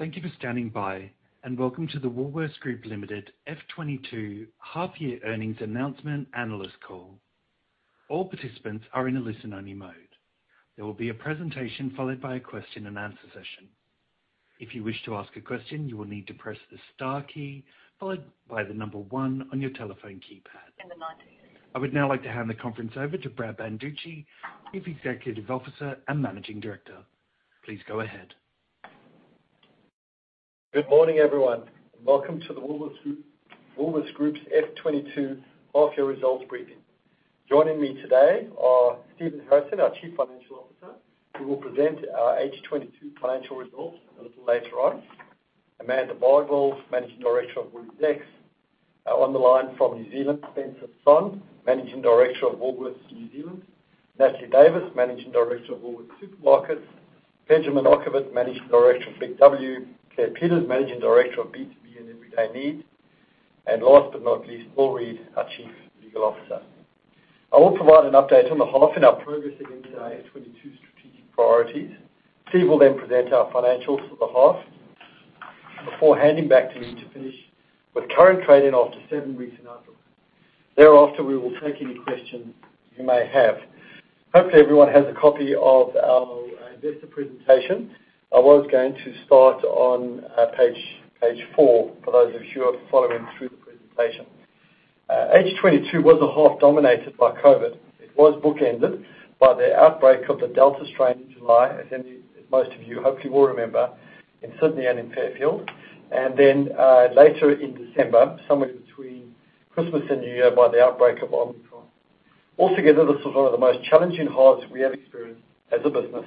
Thank you for standing by, and welcome to the Woolworths Group Limited FY 2022 half-year earnings announcement analyst call. All participants are in a listen-only mode. There will be a presentation followed by a question and answer session. If you wish to ask a question, you will need to press the Star key followed by the number 1 on your telephone keypad. I would now like to hand the conference over to Brad Banducci, Chief Executive Officer and Managing Director. Please go ahead. Good morning, everyone, and welcome to the Woolworths Group's FY 2022 half-year results briefing. Joining me today are Stephen Harrison, our Chief Financial Officer, who will present our H 2022 financial results a little later on. Amanda Bardwell, Managing Director of WooliesX. On the line from New Zealand, Spencer Sonn, Managing Director of Woolworths New Zealand. Natalie Davis, Managing Director of Woolworths Supermarkets. Pejman Okhovat, Managing Director of BIG W. Claire Peters, Managing Director of B2B and Everyday Needs. Last but not least, Bill Reid, our Chief Legal Officer. I will provide an update on the half and our progress against our FY 2022 strategic priorities. Steve will then present our financials for the half before handing back to me to finish with current trading and our recent outlook. Thereafter, we will take any questions you may have. Hopefully, everyone has a copy of our investor presentation. I was going to start on page four for those of you who are following through the presentation. H22 was a half dominated by COVID. It was book-ended by the outbreak of the Delta strain in July, as most of you hopefully will remember, in Sydney and in Fairfield, and then later in December, somewhere between Christmas and New Year by the outbreak of Omicron. Altogether, this was one of the most challenging halves we have experienced as a business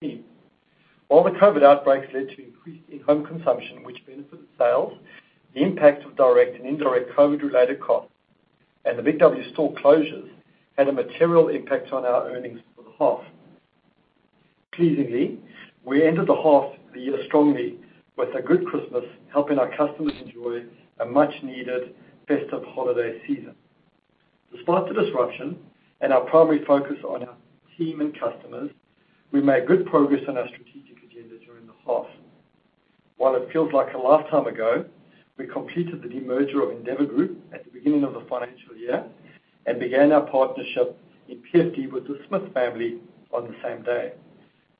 to date. While the COVID outbreaks led to increase in home consumption, which benefited sales, the impact of direct and indirect COVID-related costs and the BIG W store closures had a material impact on our earnings for the half. Pleasingly, we ended the half-year strongly with a good Christmas, helping our customers enjoy a much-needed festive holiday season. Despite the disruption and our primary focus on our team and customers, we made good progress on our strategic agenda during the half. While it feels like a lifetime ago, we completed the demerger of Endeavour Group at the beginning of the financial year and began our partnership in PFD with the Smith family on the same day.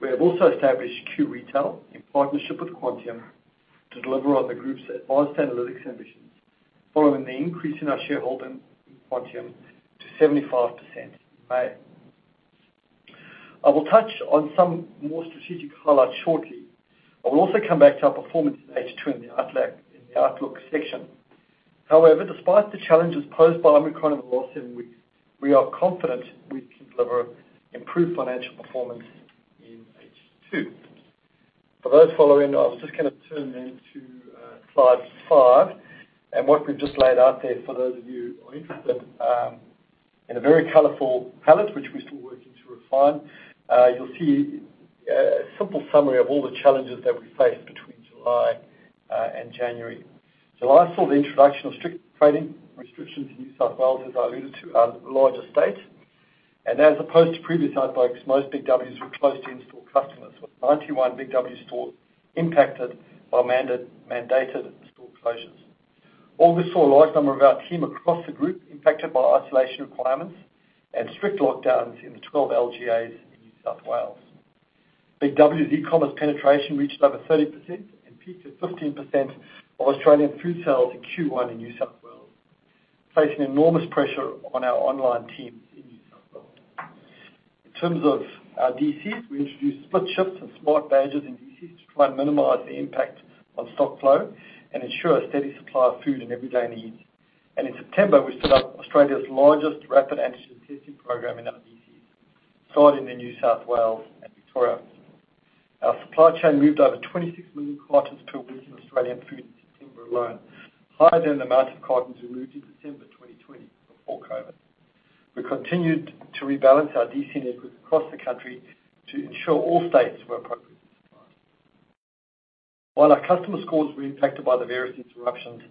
We have also established Q-Retail in partnership with Quantium to deliver on the group's advanced analytics ambitions following the increase in our shareholding in Quantium to 75% in May. I will touch on some more strategic highlights shortly. I will also come back to our performance in H2 in the outlook section. However, despite the challenges posed by Omicron in the last seven weeks, we are confident we can deliver improved financial performance in H2. For those following, I was just gonna turn then to slide five. What we've just laid out there for those of you who are interested in a very colorful palette, which we're still working to refine, you'll see a simple summary of all the challenges that we faced between July and January. July saw the introduction of strict trading restrictions in New South Wales, as I alluded to, our largest state. As opposed to previous outbreaks, most BIG W's were closed to in-store customers, with 91 BIG W stores impacted by mandated store closures. All this saw a large number of our team across the group impacted by isolation requirements and strict lockdowns in the 12 LGAs in New South Wales. BIG W's e-commerce penetration reached over 30% and peaked at 15% of Australian food sales in Q1 in New South Wales, placing enormous pressure on our online teams in New South Wales. In terms of our DCs, we introduced split shifts and smart managers in DCs to try and minimize the impact on stock flow and ensure a steady supply of food and everyday needs. In September, we stood up Australia's largest rapid antigen testing program in our DCs, starting in New South Wales and Victoria. Our supply chain moved over 26 million cartons per week in Australian food in September alone, higher than the amount of cartons we moved in December 2020 before COVID. We continued to rebalance our DC network across the country to ensure all states were appropriately supplied. While our customer scores were impacted by the various disruptions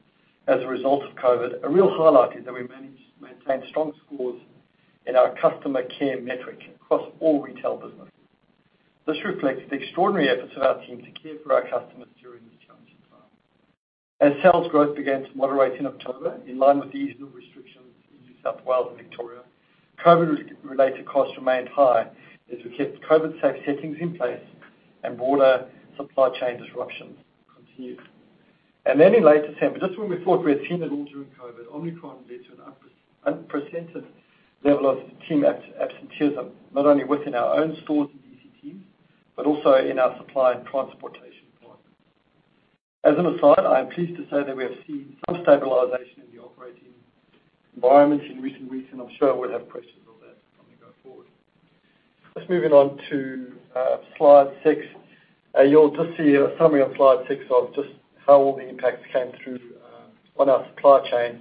as a result of COVID, a real highlight is that we managed to maintain strong scores in our customer care metric across all retail businesses. This reflects the extraordinary efforts of our team to care for our customers during this challenging time. As sales growth began to moderate in October, in line with the easing of restrictions in New South Wales and Victoria, COVID re-related costs remained high as we kept COVID safe settings in place and broader supply chain disruptions continued. In late December, just when we thought we had seen it all during COVID, Omicron led to an unprecedented level of team absenteeism, not only within our own stores and DC teams, but also in our supply and transportation partners. As an aside, I am pleased to say that we have seen some stabilization in the operating environments in recent weeks, and I'm sure we'll have questions on that when we go forward. Just moving on to slide six. You'll just see a summary on slide six of just how all the impacts came through on our supply chain.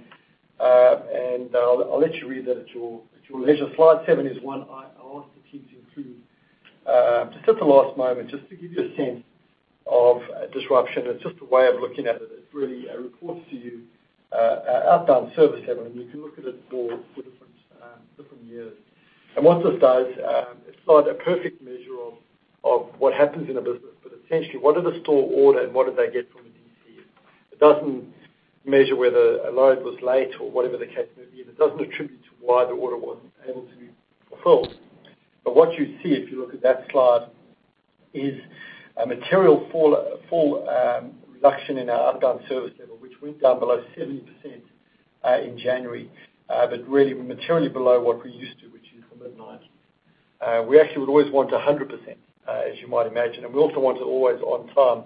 I'll let you read that at your leisure. Slide seven is one I wanted the team to include just at the last moment, just to give you a sense of disruption. It's just a way of looking at it. It really reports to you our outbound service level, and you can look at it for years. Once this dies, it's not a perfect measure of what happens in a business, but essentially what did the store order and what did they get from the DC? It doesn't measure whether a load was late or whatever the case may be, and it doesn't attribute to why the order wasn't able to be fulfilled. What you see if you look at that slide is a material fall reduction in our uptime service level, which went down below 70% in January. Really materially below what we're used to, which is the mid-90s. We actually would always want 100%, as you might imagine, and we also want it always on time.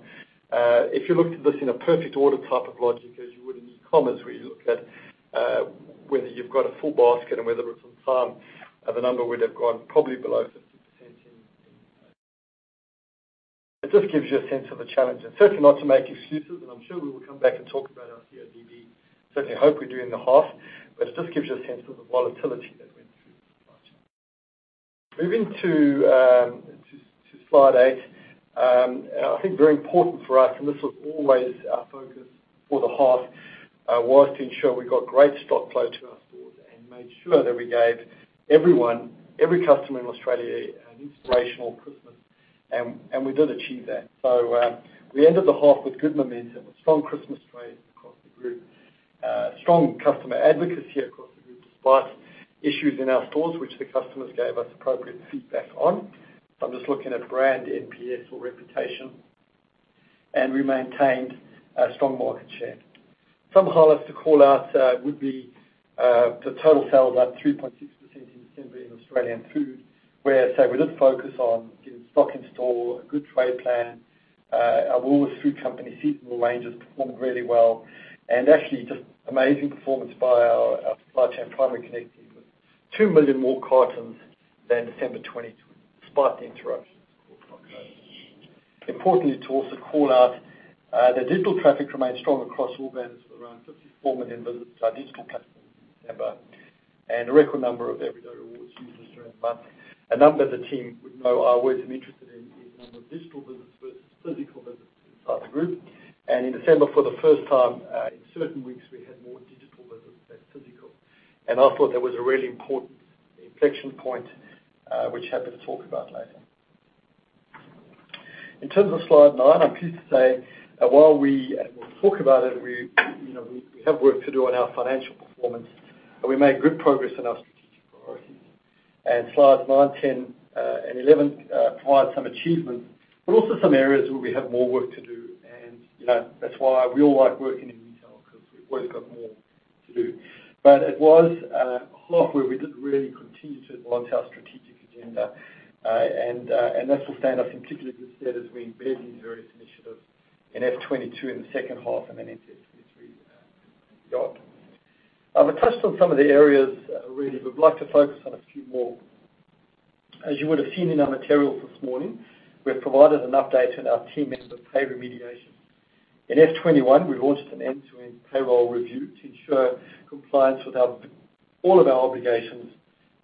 If you looked at this in a perfect order type of logic as you would in e-commerce, where you look at whether you've got a full basket and whether it's on time, the number would have gone probably below 50% in. It just gives you a sense of the challenge and certainly not to make excuses, and I'm sure we will come back and talk about our CODB. I certainly hope we do in the half, but it just gives you a sense of the volatility that we went through last year. Moving to slide eight. I think it is very important for us, and this was always our focus for the half, to ensure we got great stock flow to our stores and made sure that we gave everyone every customer in Australia an inspirational Christmas. We did achieve that. We ended the half with good momentum with strong Christmas trade across the group. Strong customer advocacy across the group, despite issues in our stores which the customers gave us appropriate feedback on. I'm just looking at brand NPS or reputation. We maintained a strong market share. Some highlights to call out would be the total sales up 3.6% in December in Australian food, where I'd say we did focus on getting stock in-store, a good trade plan. Our Woolworths Food Company seasonal ranges performed really well and actually just amazing performance by our supply chain Primary Connect team with 2 million more cartons than December 2022 despite the interruptions caused by COVID. Importantly to also call out the digital traffic remained strong across all banners with around 54 million visits to our digital platform in December. A record number of Everyday Rewards users during the month. A number the team would know I always am interested in is number of digital visits versus physical visits inside the group. In December for the first time, in certain weeks we had more digital visits than physical. I thought that was a really important inflection point, which I'm happy to talk about later. In terms of Slide nine, I'm pleased to say that while we, and we'll talk about it, we, you know, we have work to do on our financial performance, and we made good progress in our strategic priorities. Slides nine, 10, and 11 provide some achievements but also some areas where we have more work to do. You know, that's why we all like working in retail, 'cause we've always got more to do. It was a half where we did really continue to advance our strategic agenda. This will stand us in particularly good stead as we embed these various initiatives in FY 2022, in the second half and then into FY 2023 as we go on. I touched on some of the areas already. I'd like to focus on a few more. As you would have seen in our materials this morning, we've provided an update on our team member pay remediation. In FY 2021, we launched an end-to-end payroll review to ensure compliance with all of our obligations,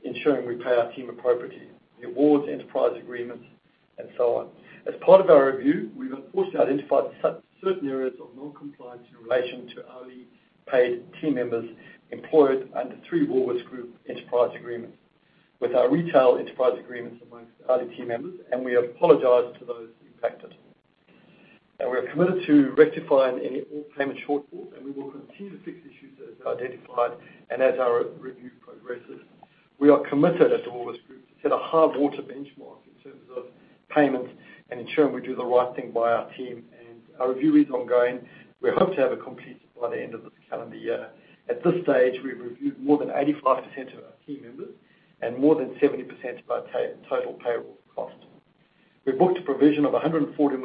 ensuring we pay our team appropriately, the awards, enterprise agreements and so on. As part of our review, we've unfortunately identified certain areas of non-compliance in relation to hourly paid team members employed under three Woolworths Group enterprise agreements. With our retail enterprise agreements among other team members, we apologize to those impacted. We are committed to rectifying any and all payment shortfalls, and we will continue to fix issues as identified and as our review progresses. We are committed at the Woolworths Group to set the gold standard in terms of payments and ensuring we do the right thing by our team. Our review is ongoing. We hope to have it completed by the end of this calendar year. At this stage, we've reviewed more than 85% of our team members and more than 70% by pay, total payable cost. We've booked a provision of 144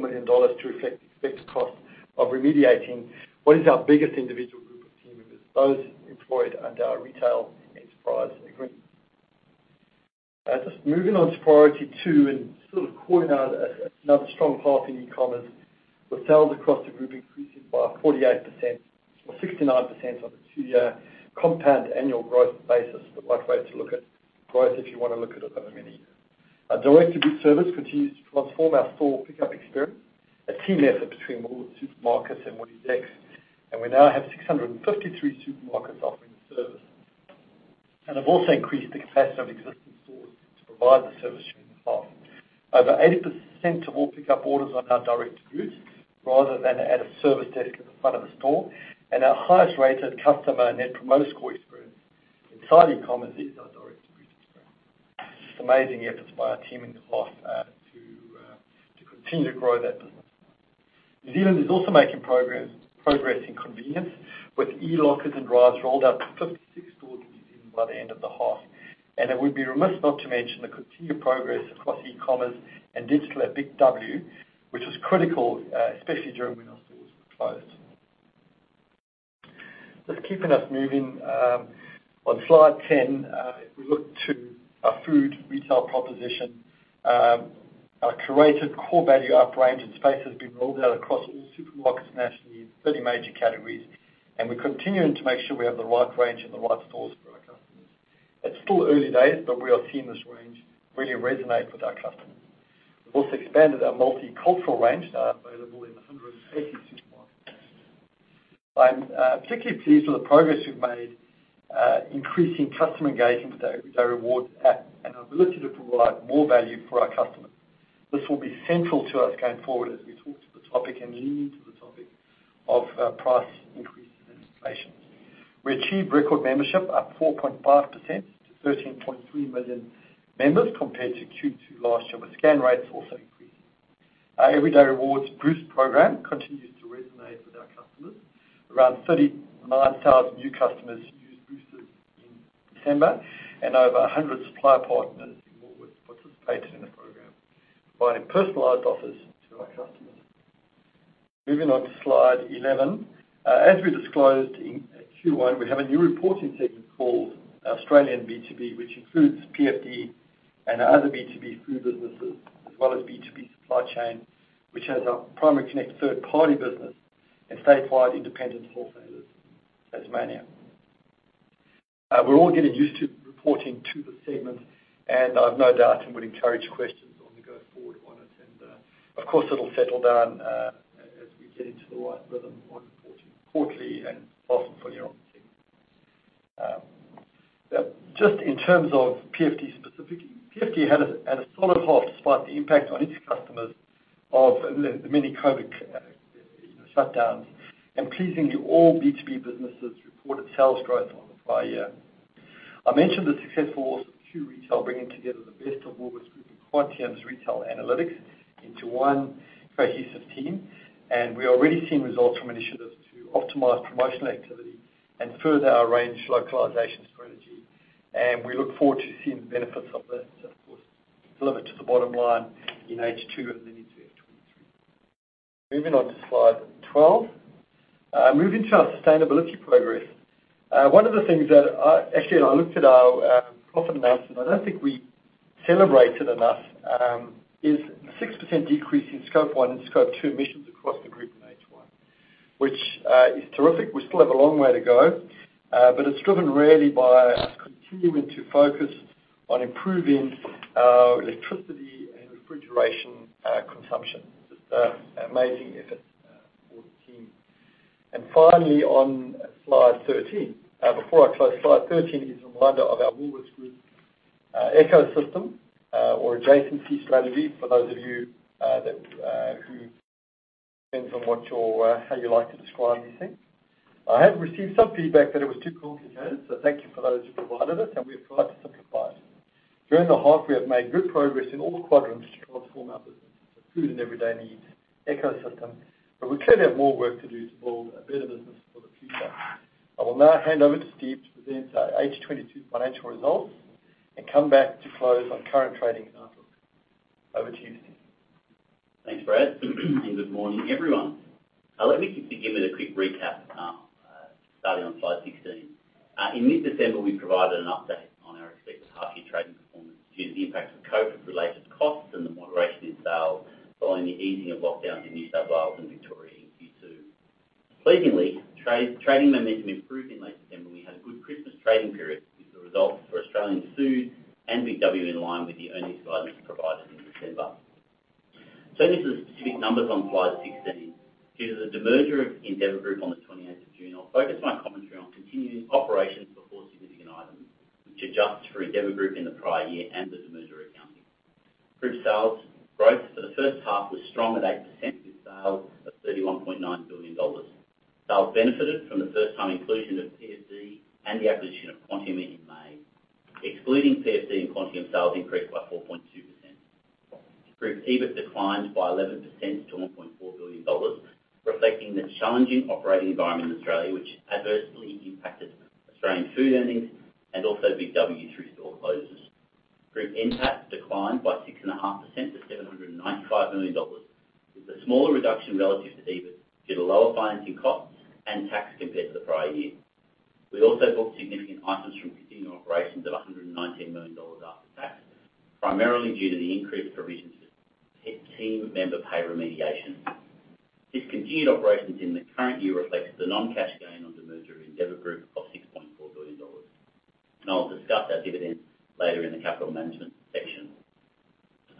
million dollars to reflect the expected cost of remediating what is our biggest individual group of team members, those employed under our retail enterprise agreement. Just moving on to priority two and sort of calling out another strong half in e-commerce with sales across the group increasing by 48% or 69% on a two-year compound annual growth basis, the right way to look at growth if you wanna look at it over many years. Our direct to boot service continues to transform our store pickup experience, a team effort between Woolworths Supermarkets and WooliesX. We now have 653 supermarkets offering the service. We have also increased the capacity of existing stores to provide the service during the half. Over 80% of all pickup orders are now direct to boot rather than at a service desk at the front of a store. Our highest rated customer net promoter score experience inside e-commerce is our direct to boot experience. Just amazing efforts by our team in the last two to continue to grow that business. New Zealand is also making progress in convenience with e-lockers and drives rolled out to 56 stores in New Zealand by the end of the half. It would be remiss not to mention the continued progress across e-commerce and digital at BIG W, which is critical, especially during when our stores were closed. Just keeping us moving, on slide 10, if we look to our food retail proposition, our curated Core Value Up range and space has been rolled out across all supermarkets nationally in 30 major categories. We're continuing to make sure we have the right range and the right stores for our customers. It's still early days, but we are seeing this range really resonate with our customers. We've also expanded our multicultural range now available in 186. I'm particularly pleased with the progress we've made, increasing customer engagement with our rewards app and our ability to provide more value for our customers. This will be central to us going forward as we talk to the topic and lean into the topic of price increases and inflation. We achieved record membership up 4.5% to 13.3 million members compared to Q2 last year, with scan rates also increasing. Our Everyday Rewards Boost program continues to resonate with our customers. Around 39,000 new customers used Boosted in December and over 100 supplier partners in Woolworths participated in the program, providing personalized offers to our customers. Moving on to slide 11. As we disclosed in Q1, we have a new reporting segment called Australian B2B, which includes PFD and our other B2B food businesses, as well as B2B supply chain, which has our Primary Connect third-party business and Statewide Independent Wholesalers, Tasmania. We're all getting used to reporting to the segment, and I've no doubt and would encourage questions going forward on it. Of course, it'll settle down as we get into the right rhythm on reporting quarterly and half- and full-year on the segment. Just in terms of PFD specifically, PFD had a solid half despite the impact on its customers of the many COVID, you know, shutdowns and pleasing, all B2B businesses reported sales growth on the prior year. I mentioned the successful Q-Retail, bringing together the best of Woolworths Group and Quantium's retail analytics into one cohesive team, and we are already seeing results from initiatives to optimize promotional activity and further our range localization strategy. We look forward to seeing the benefits of this, of course, delivered to the bottom line in H2 and then into H23. Moving on to slide 12. Moving to our sustainability progress. One of the things, actually, when I looked at our profit announcement, I don't think we celebrated enough is the 6% decrease in Scope 1 and Scope 2 emissions across the group in H1, which is terrific. We still have a long way to go, but it's driven really by us continuing to focus on improving electricity and refrigeration consumption. Just amazing effort for the team. Finally, on slide 13. Before I close, slide 13 is a reminder of our Woolworths Group ecosystem or adjacency strategy, for those of you that who depends on what your how you like to describe these things. I have received some feedback that it was too complicated, so thank you for those who provided it, and we applied to simplify it. During the half, we have made good progress in all quadrants to transform our business, including Everyday Needs ecosystem, but we clearly have more work to do to build a better business for the future. I will now hand over to Steve to present our H22 financial results and come back to close on current trading and outlook. Over to you, Steve. Thanks, Brad. Good morning, everyone. Let me begin with a quick recap, starting on slide 16. In mid-December, we provided an update on our expected half year trading performance due to the impact of COVID-related costs and the moderation in sales following the easing of lockdowns in New South Wales and Victoria in Q2. Pleasingly, trading momentum improved in late December, and we had a good Christmas trading period with the results for Australian Food and BIG W in line with the earnings guidance we provided in December. Turning to the specific numbers on slide 16. Due to the demerger of Endeavour Group on the 28th of June, I'll focus my commentary on continuing operations before significant items, which adjusts for Endeavour Group in the prior year and the demerger accounting. Group sales growth for the first half was strong at 8% with sales of 31.9 billion dollars. Sales benefited from the first-time inclusion of PFD and the acquisition of Quantium in May. Excluding PFD and Quantium, sales increased by 4.2%. Group EBIT declined by 11% to 1.4 billion dollars, reflecting the challenging operating environment in Australia, which adversely impacted Australian Food earnings and also BIG W through store closures. Group NPAT declined by 6.5% to 795 million dollars. It's a smaller reduction relative to EBIT, due to lower financing costs and tax compared to the prior year. We also booked significant items from continuing operations at 119 million dollars after tax, primarily due to the increased provisions for team member pay remediation. This continued operations in the current year reflects the non-cash gain on the merger of Endeavour Group of 6.4 billion dollars. I'll discuss our dividends later in the capital management section.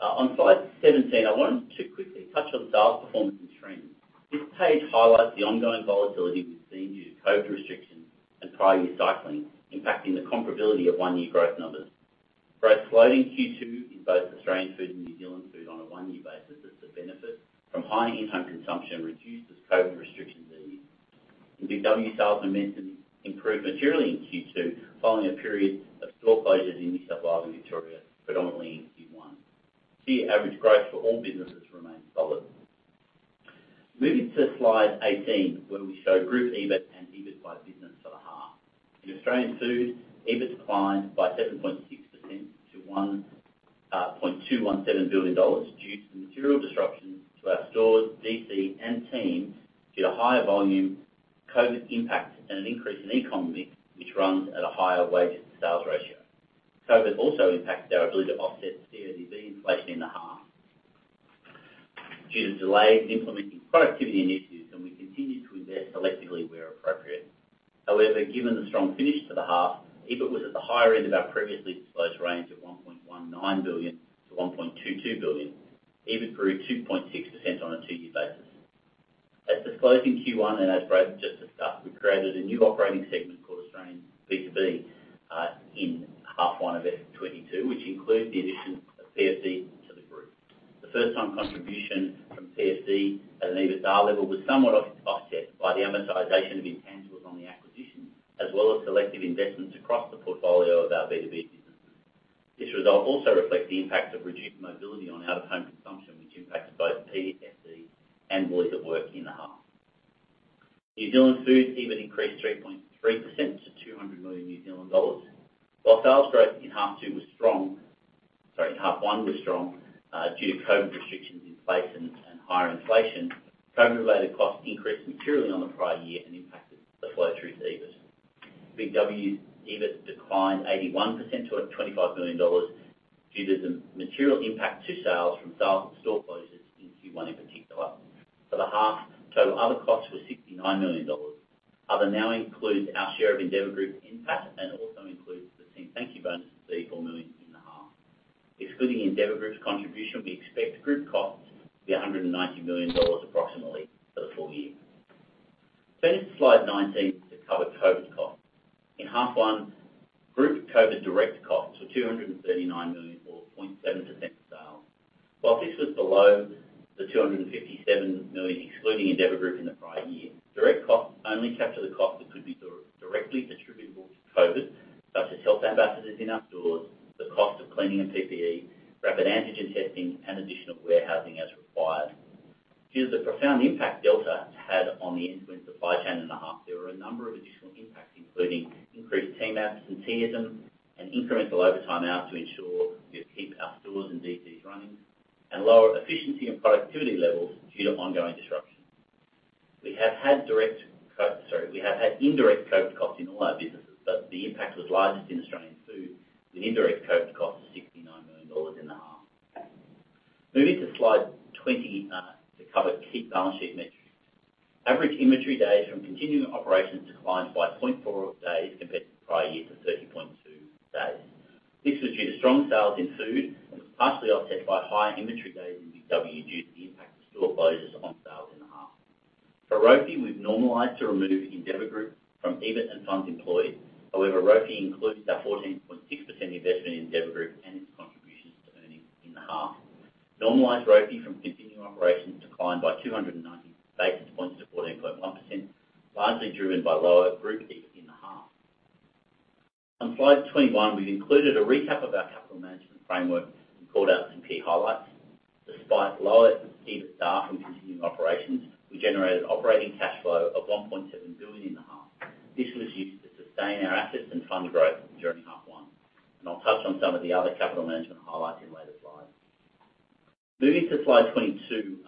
On slide 17, I wanted to quickly touch on sales performance and trends. This page highlights the ongoing volatility we've seen due to COVID restrictions and prior year cycling, impacting the comparability of one-year growth numbers. Growth slowed in Q2 in both Australian Food and New Zealand Food on a one-year basis as the benefit from higher in-home consumption reduced as COVID restrictions eased. In BIG W, sales momentum improved materially in Q2 following a period of store closures in New South Wales and Victoria, predominantly in Q1. Year average growth for all businesses remained solid. Moving to slide 18, where we show group EBIT and EBIT by business for the half. In Australian Food, EBIT declined by 7.6% to 1.217 billion dollars due to the material disruptions to our stores, DC, and team due to higher volume COVID impact and an increase in e-com mix, which runs at a higher wages to sales ratio. COVID also impacted our ability to offset CODB inflation in the half. Due to delays in implementing productivity initiatives, and we continue to invest selectively where appropriate. However, given the strong finish to the half, EBIT was at the higher end of our previously disclosed range of 1.19 billion-1.22 billion. EBIT grew 2.6% on a two-year basis. As disclosed in Q1 and as Brad just discussed, we've created a new operating segment called Australian B2B in half one of FY 2022, which includes the addition of PFD to the group. The first time contribution from PFD at an EBITDAR level was somewhat offset by the amortization of intangibles on the acquisition, as well as collective investments across the portfolio of our B2B businesses. This result also reflects the impact of reduced mobility on out-of-home consumption, which impacted both PFD and Believe at Work in the half. New Zealand Food EBIT increased 3.3% to NZD 200 million. While sales growth in half one was strong due to COVID restrictions in place and higher inflation, COVID-related costs increased materially on the prior year and impacted the flow through to EBIT. BIG W's EBIT declined 81% to 25 million dollars due to the material impact to sales from sales and store closures in Q1 in particular. For the half, total other costs were 69 million dollars. Other now includes our share of Endeavour Group's impact and also includes the team thank you bonus of 84 million in the half. Excluding Endeavour Group's contribution, we expect group costs to be 190 million dollars approximately for the full year. To slide 19 to cover COVID costs. In half one, group COVID direct costs were 239 million or 0.7% of sales. While this was below the 257 million excluding Endeavour Group in the prior year, direct costs only capture the cost that could be directly attributable to COVID, such as health ambassadors in our stores, the cost of cleaning and PPE, rapid antigen testing, and additional warehousing as required. Due to the profound impact Delta had on the end-to-end supply chain in the half, there were a number of additional impacts, including increased team absenteeism and incremental overtime hours to ensure we could keep our stores and DCs running, and lower efficiency and productivity levels due to ongoing disruption. We have had indirect COVID costs in all our businesses, but the impact was largest in Australian Food, with indirect COVID costs of 69 million dollars in the half. Moving to slide 20 to cover key balance sheet metrics. Average inventory days from continuing operations declined by 0.4 days compared to the prior year to 30.2 days. This was due to strong sales in food and was partially offset by higher inventory days in BIG W due to the impact of store closures on sales in the half. For ROFE, we've normalized to remove Endeavour Group from EBIT and funds employed. However, ROFE includes our 14.6% investment in Endeavour Group and its contributions to earnings in the half. Normalized ROFE from continuing operations declined by 290 basis points to 14.1%, largely driven by lower group EBIT in the half. On slide 21, we've included a recap of our capital management framework and called out some key highlights. Despite lower EBITDAR from continuing operations, we generated operating cash flow of 1.7 billion in the half. This was used to sustain our assets and fund growth during half one. I'll touch on some of the other capital management highlights in later slides. Moving to slide 22,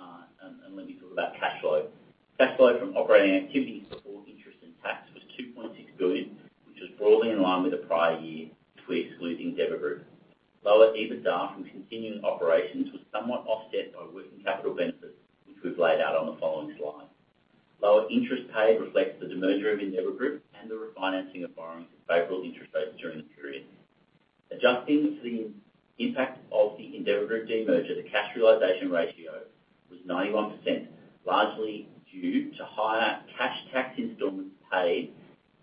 let me talk about cash flow. Cash flow from operating activities before interest and tax was 2.6 billion, which was broadly in line with the prior year if we exclude Endeavour Group. Lower EBITDAR from continuing operations was somewhat offset by working capital benefits, which we've laid out on the following slide. Lower interest paid reflects the demerger of Endeavour Group and the refinancing of borrowings with favorable interest rates during the period. Adjusting for the impact of the Endeavour Group demerger, the cash realization ratio was 91%, largely due to higher cash tax installments paid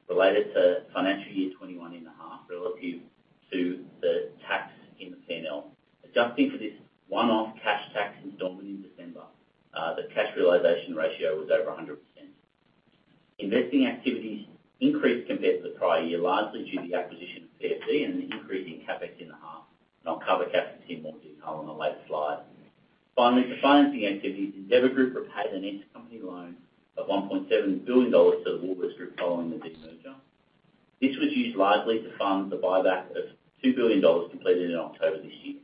related to financial year 2021 in the half relative to the tax in the P&L. Adjusting for this one-off cash tax installment in December, the cash realization ratio was over 100%. Investing activities increased compared to the prior year, largely due to the acquisition of PFD and the increase in CapEx in the half. I'll cover CapEx in more detail on a later slide. Finally, for financing activities, Endeavour Group repaid an intercompany loan of 1.7 billion dollars to the Woolworths Group following the demerger. This was used largely to fund the buyback of 2 billion dollars completed in October this year.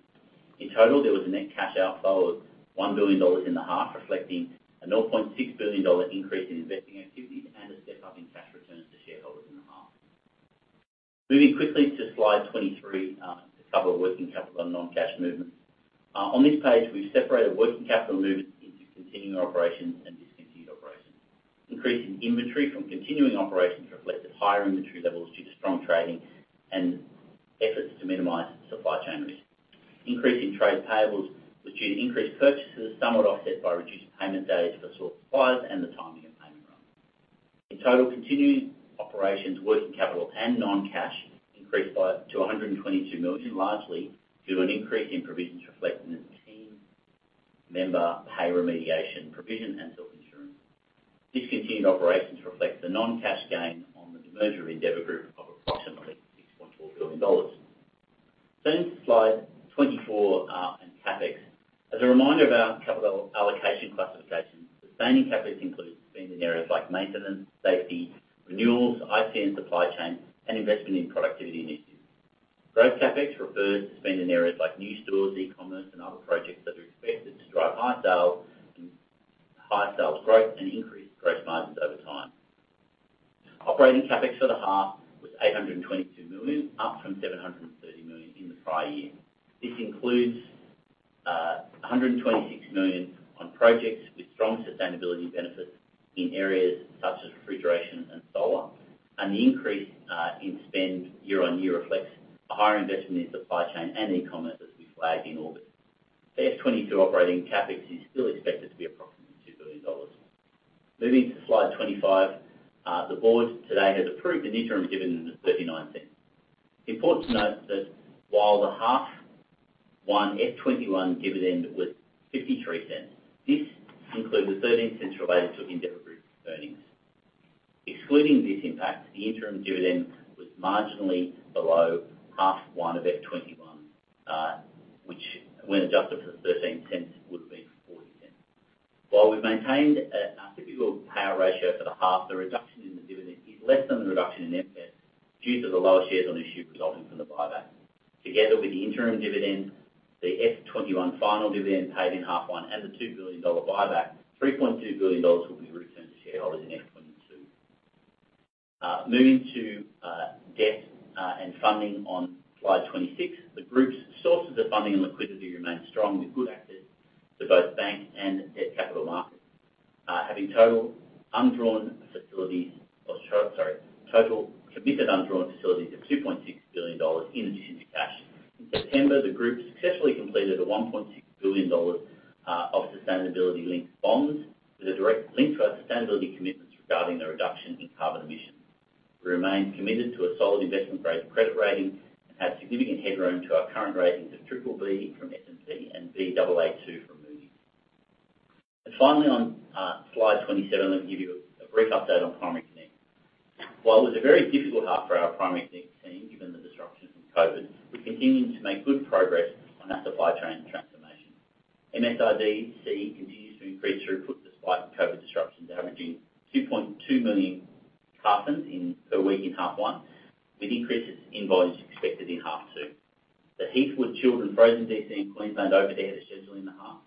In total, there was a net cash outflow of 1 billion dollars in the half, reflecting a 0.6 billion dollar increase in investing activities and a step-up in cash returns to shareholders in the half. Moving quickly to slide 23, to cover working capital and non-cash movements. On this page, we've separated working capital movements into continuing operations and discontinued operations. Increase in inventory from continuing operations reflected higher inventory levels due to strong trading and efforts to minimize supply chain risk. Increase in trade payables was due to increased purchases, somewhat offset by reduced payment days to our suppliers and the timing of payment runs. In total, continuing operations, working capital and non-cash increased to 122 million, largely due to an increase in provisions reflecting the team member pay remediation provision and self-insurance. Discontinued operations reflects the non-cash gain on the demerger of Endeavour Group of approximately 6.4 billion dollars. To slide 24 and CapEx. As a reminder of our capital allocation classification, sustaining CapEx includes spend in areas like maintenance, safety, renewals, IT and supply chain, and investment in productivity initiatives. Growth CapEx refers to spend in areas like new stores, e-commerce, and other projects that are expected to drive high sales growth and increase gross margins over time. Operating CapEx for the half was 822 million, up from 730 million in the prior year. This includes a hundred and twenty-six million on projects with strong sustainability benefits in areas such as refrigeration and solar, and the increase in spend year-over-year reflects a higher investment in supply chain and e-commerce as we flagged in August. The FY 2022 operating CapEx is still expected to be approximately 2 billion dollars. Moving to slide 25, the board today has approved an interim dividend of 0.39. Important to note that while the 1H FY 2021 dividend was 0.53, this includes the 0.13 related to Endeavour Group earnings. Excluding this impact, the interim dividend was marginally below 1H of FY 2021, which when adjusted for the 0.13 would have been 0.40. While we've maintained our typical payout ratio for the half, the reduction in the dividend is less than the reduction in EPS due to the lower shares on issue resulting from the buyback. Together with the interim dividend, the FY 2021 final dividend paid in 1H and the AUD 2 billion buyback, AUD 3.2 billion will be returned to shareholders in FY 2022. Moving to debt and funding on slide 26. The group's sources of funding and liquidity remain strong with good access to both bank and debt capital markets, having total committed undrawn facilities of 2.6 billion dollars in addition to cash. In September, the group successfully completed 1.6 billion dollars of sustainability-linked bonds with a direct link to our sustainability commitments regarding the reduction in carbon emissions. We remain committed to a solid investment-grade credit rating and have significant headroom to our current ratings of BBB from S&P and Baa2 from Moody's. Finally, on slide 27, let me give you a brief update on Primary Connect. While it was a very difficult half for our Primary Connect team, given the disruptions from COVID, we're continuing to make good progress on our supply chain transformation. MSRDC continues to increase throughput despite the COVID disruptions, averaging 2.2 million cartons per week in half one, with increases in volumes expected in half two. The Heathwood Chilled and Frozen DC in Queensland opened ahead of schedule in the half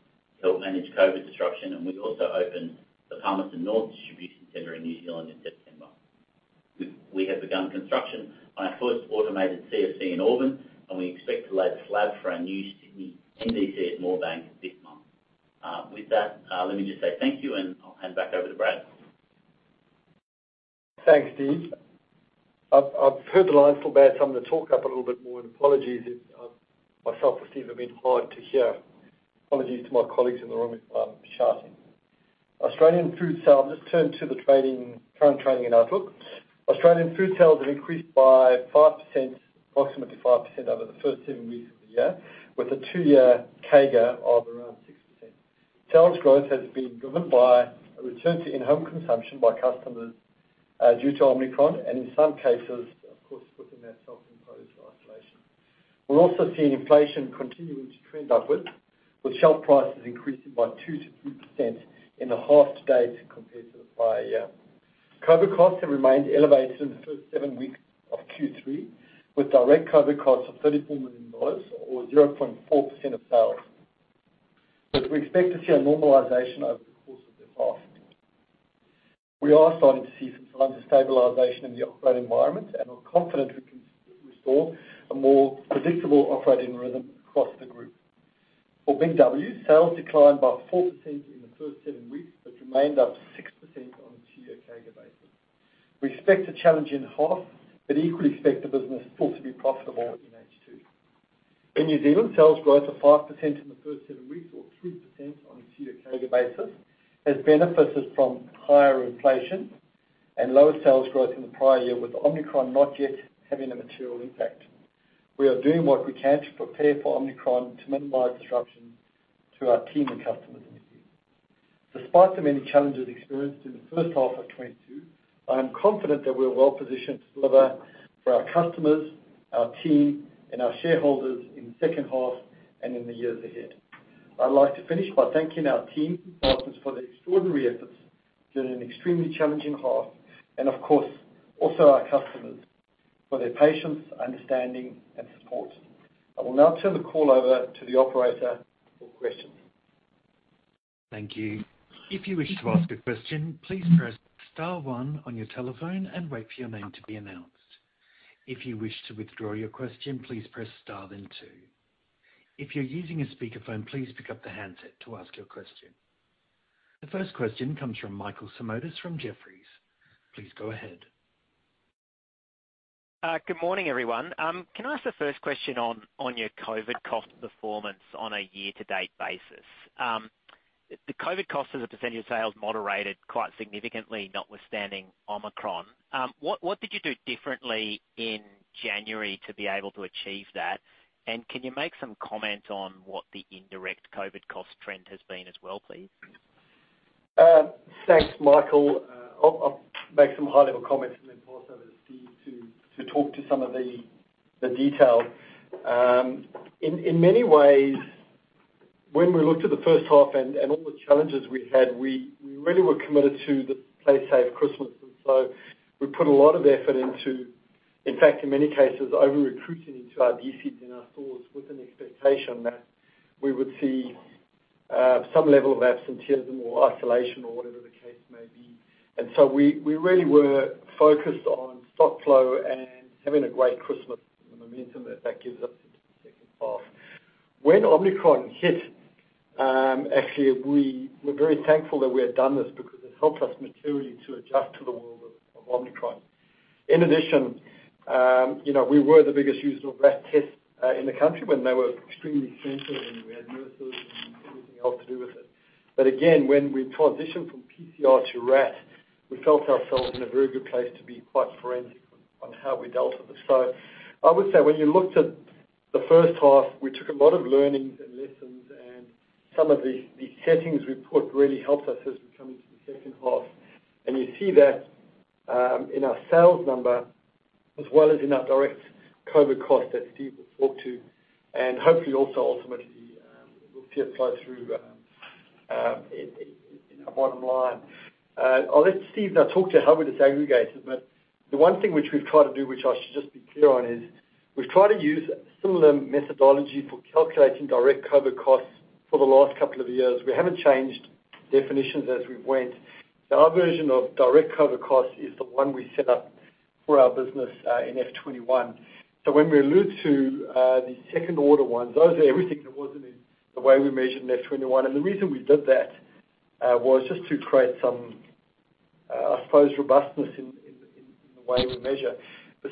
to help manage COVID disruption, and we also opened the Palmerston North distribution center in New Zealand in September. We have begun construction on our first automated CFC in Auburn, and we expect to lay the slab for our new Sydney NDC at Moorebank this month. With that, let me just say thank you and I'll hand back over to Brad. Thanks, Steve. I've heard the line's still bad, so I'm gonna talk up a little bit more and apologies if myself or Steve have been hard to hear. Apologies to my colleagues in the room if I'm shouting. Australian food sales, let's turn to the trading, current trading and outlook. Australian food sales have increased by 5%, approximately 5% over the first 7 weeks of the year, with a two-year CAGR of around 6%. Sales growth has been driven by a return to in-home consumption by customers due to Omicron and in some cases, of course, putting their self-imposed isolation. We're also seeing inflation continuing to trend upwards, with shelf prices increasing by 2%-3% in the half to date compared to the prior year. COVID costs have remained elevated in the first 7 weeks of Q3, with direct COVID costs of 34 million dollars or 0.4% of sales. We expect to see a normalization over the course of this half. We are starting to see some signs of stabilization in the operating environment and are confident we can restore a more predictable operating rhythm across the group. For BIG W, sales declined by 4% in the first 7 weeks, but remained up 6% on a 2-year CAGR basis. We expect a challenge in half, but equally expect the business still to be profitable in H2. In New Zealand, sales growth of 5% in the first 7 weeks or 3% on a 2-year CAGR basis has benefited from higher inflation and lower sales growth in the prior year, with Omicron not yet having a material impact. We are doing what we can to prepare for Omicron to minimize disruption to our team and customers in New Zealand. Despite the many challenges experienced in the first half of 2022, I am confident that we're well positioned to deliver for our customers, our team, and our shareholders in the second half and in the years ahead. I'd like to finish by thanking our team and partners for their extraordinary efforts during an extremely challenging half and of course, also our customers for their patience, understanding, and support. I will now turn the call over to the operator for questions. Thank you. If you wish to ask a question, please press star one on your telephone and wait for your name to be announced. If you wish to withdraw your question, please press star then two. If you're using a speakerphone, please pick up the handset to ask your question. The first question comes from Michael Simotas from Jefferies. Please go ahead. Good morning, everyone. Can I ask the first question on your COVID cost performance on a year-to-date basis? The COVID cost as a percentage of sales moderated quite significantly notwithstanding Omicron. What did you do differently in January to be able to achieve that? Can you make some comment on what the indirect COVID cost trend has been as well, please? Thanks, Michael. I'll make some high-level comments and then pass over to Steve to talk to some of the detail. In many ways, when we looked at the first half and all the challenges we had, we really were committed to the Play Safe Christmas. We put a lot of effort into, in fact, in many cases, over-recruiting into our DCs and our stores with an expectation that we would see some level of absenteeism or isolation or whatever the case. We really were focused on stock flow and having a great Christmas and the momentum that that gives us into the second half. When Omicron hit, actually, we were very thankful that we had done this because it helped us materially to adjust to the world of Omicron. In addition, you know, we were the biggest users of RAT tests in the country when they were extremely expensive, and we had nurses and everything else to do with it. Again, when we transitioned from PCR to RAT, we felt ourselves in a very good place to be quite forensic on how we dealt with this. I would say when you looked at the first half, we took a lot of learnings and lessons, and some of the settings we put really helped us as we come into the second half. You see that in our sales number, as well as in our direct COVID costs that Steve will talk to. Hopefully also ultimately, we'll see it flow through in our bottom line. I'll let Stephen now talk to how we disaggregate it, but the one thing which we've tried to do, which I should just be clear on, is we've tried to use similar methodology for calculating direct COVID costs for the last couple of years. We haven't changed definitions as we went. Our version of direct COVID costs is the one we set up for our business in FY 2021. When we allude to the second order ones, those are everything that wasn't in the way we measured in FY 2021. The reason we did that was just to create some, I suppose, robustness in the way we measure.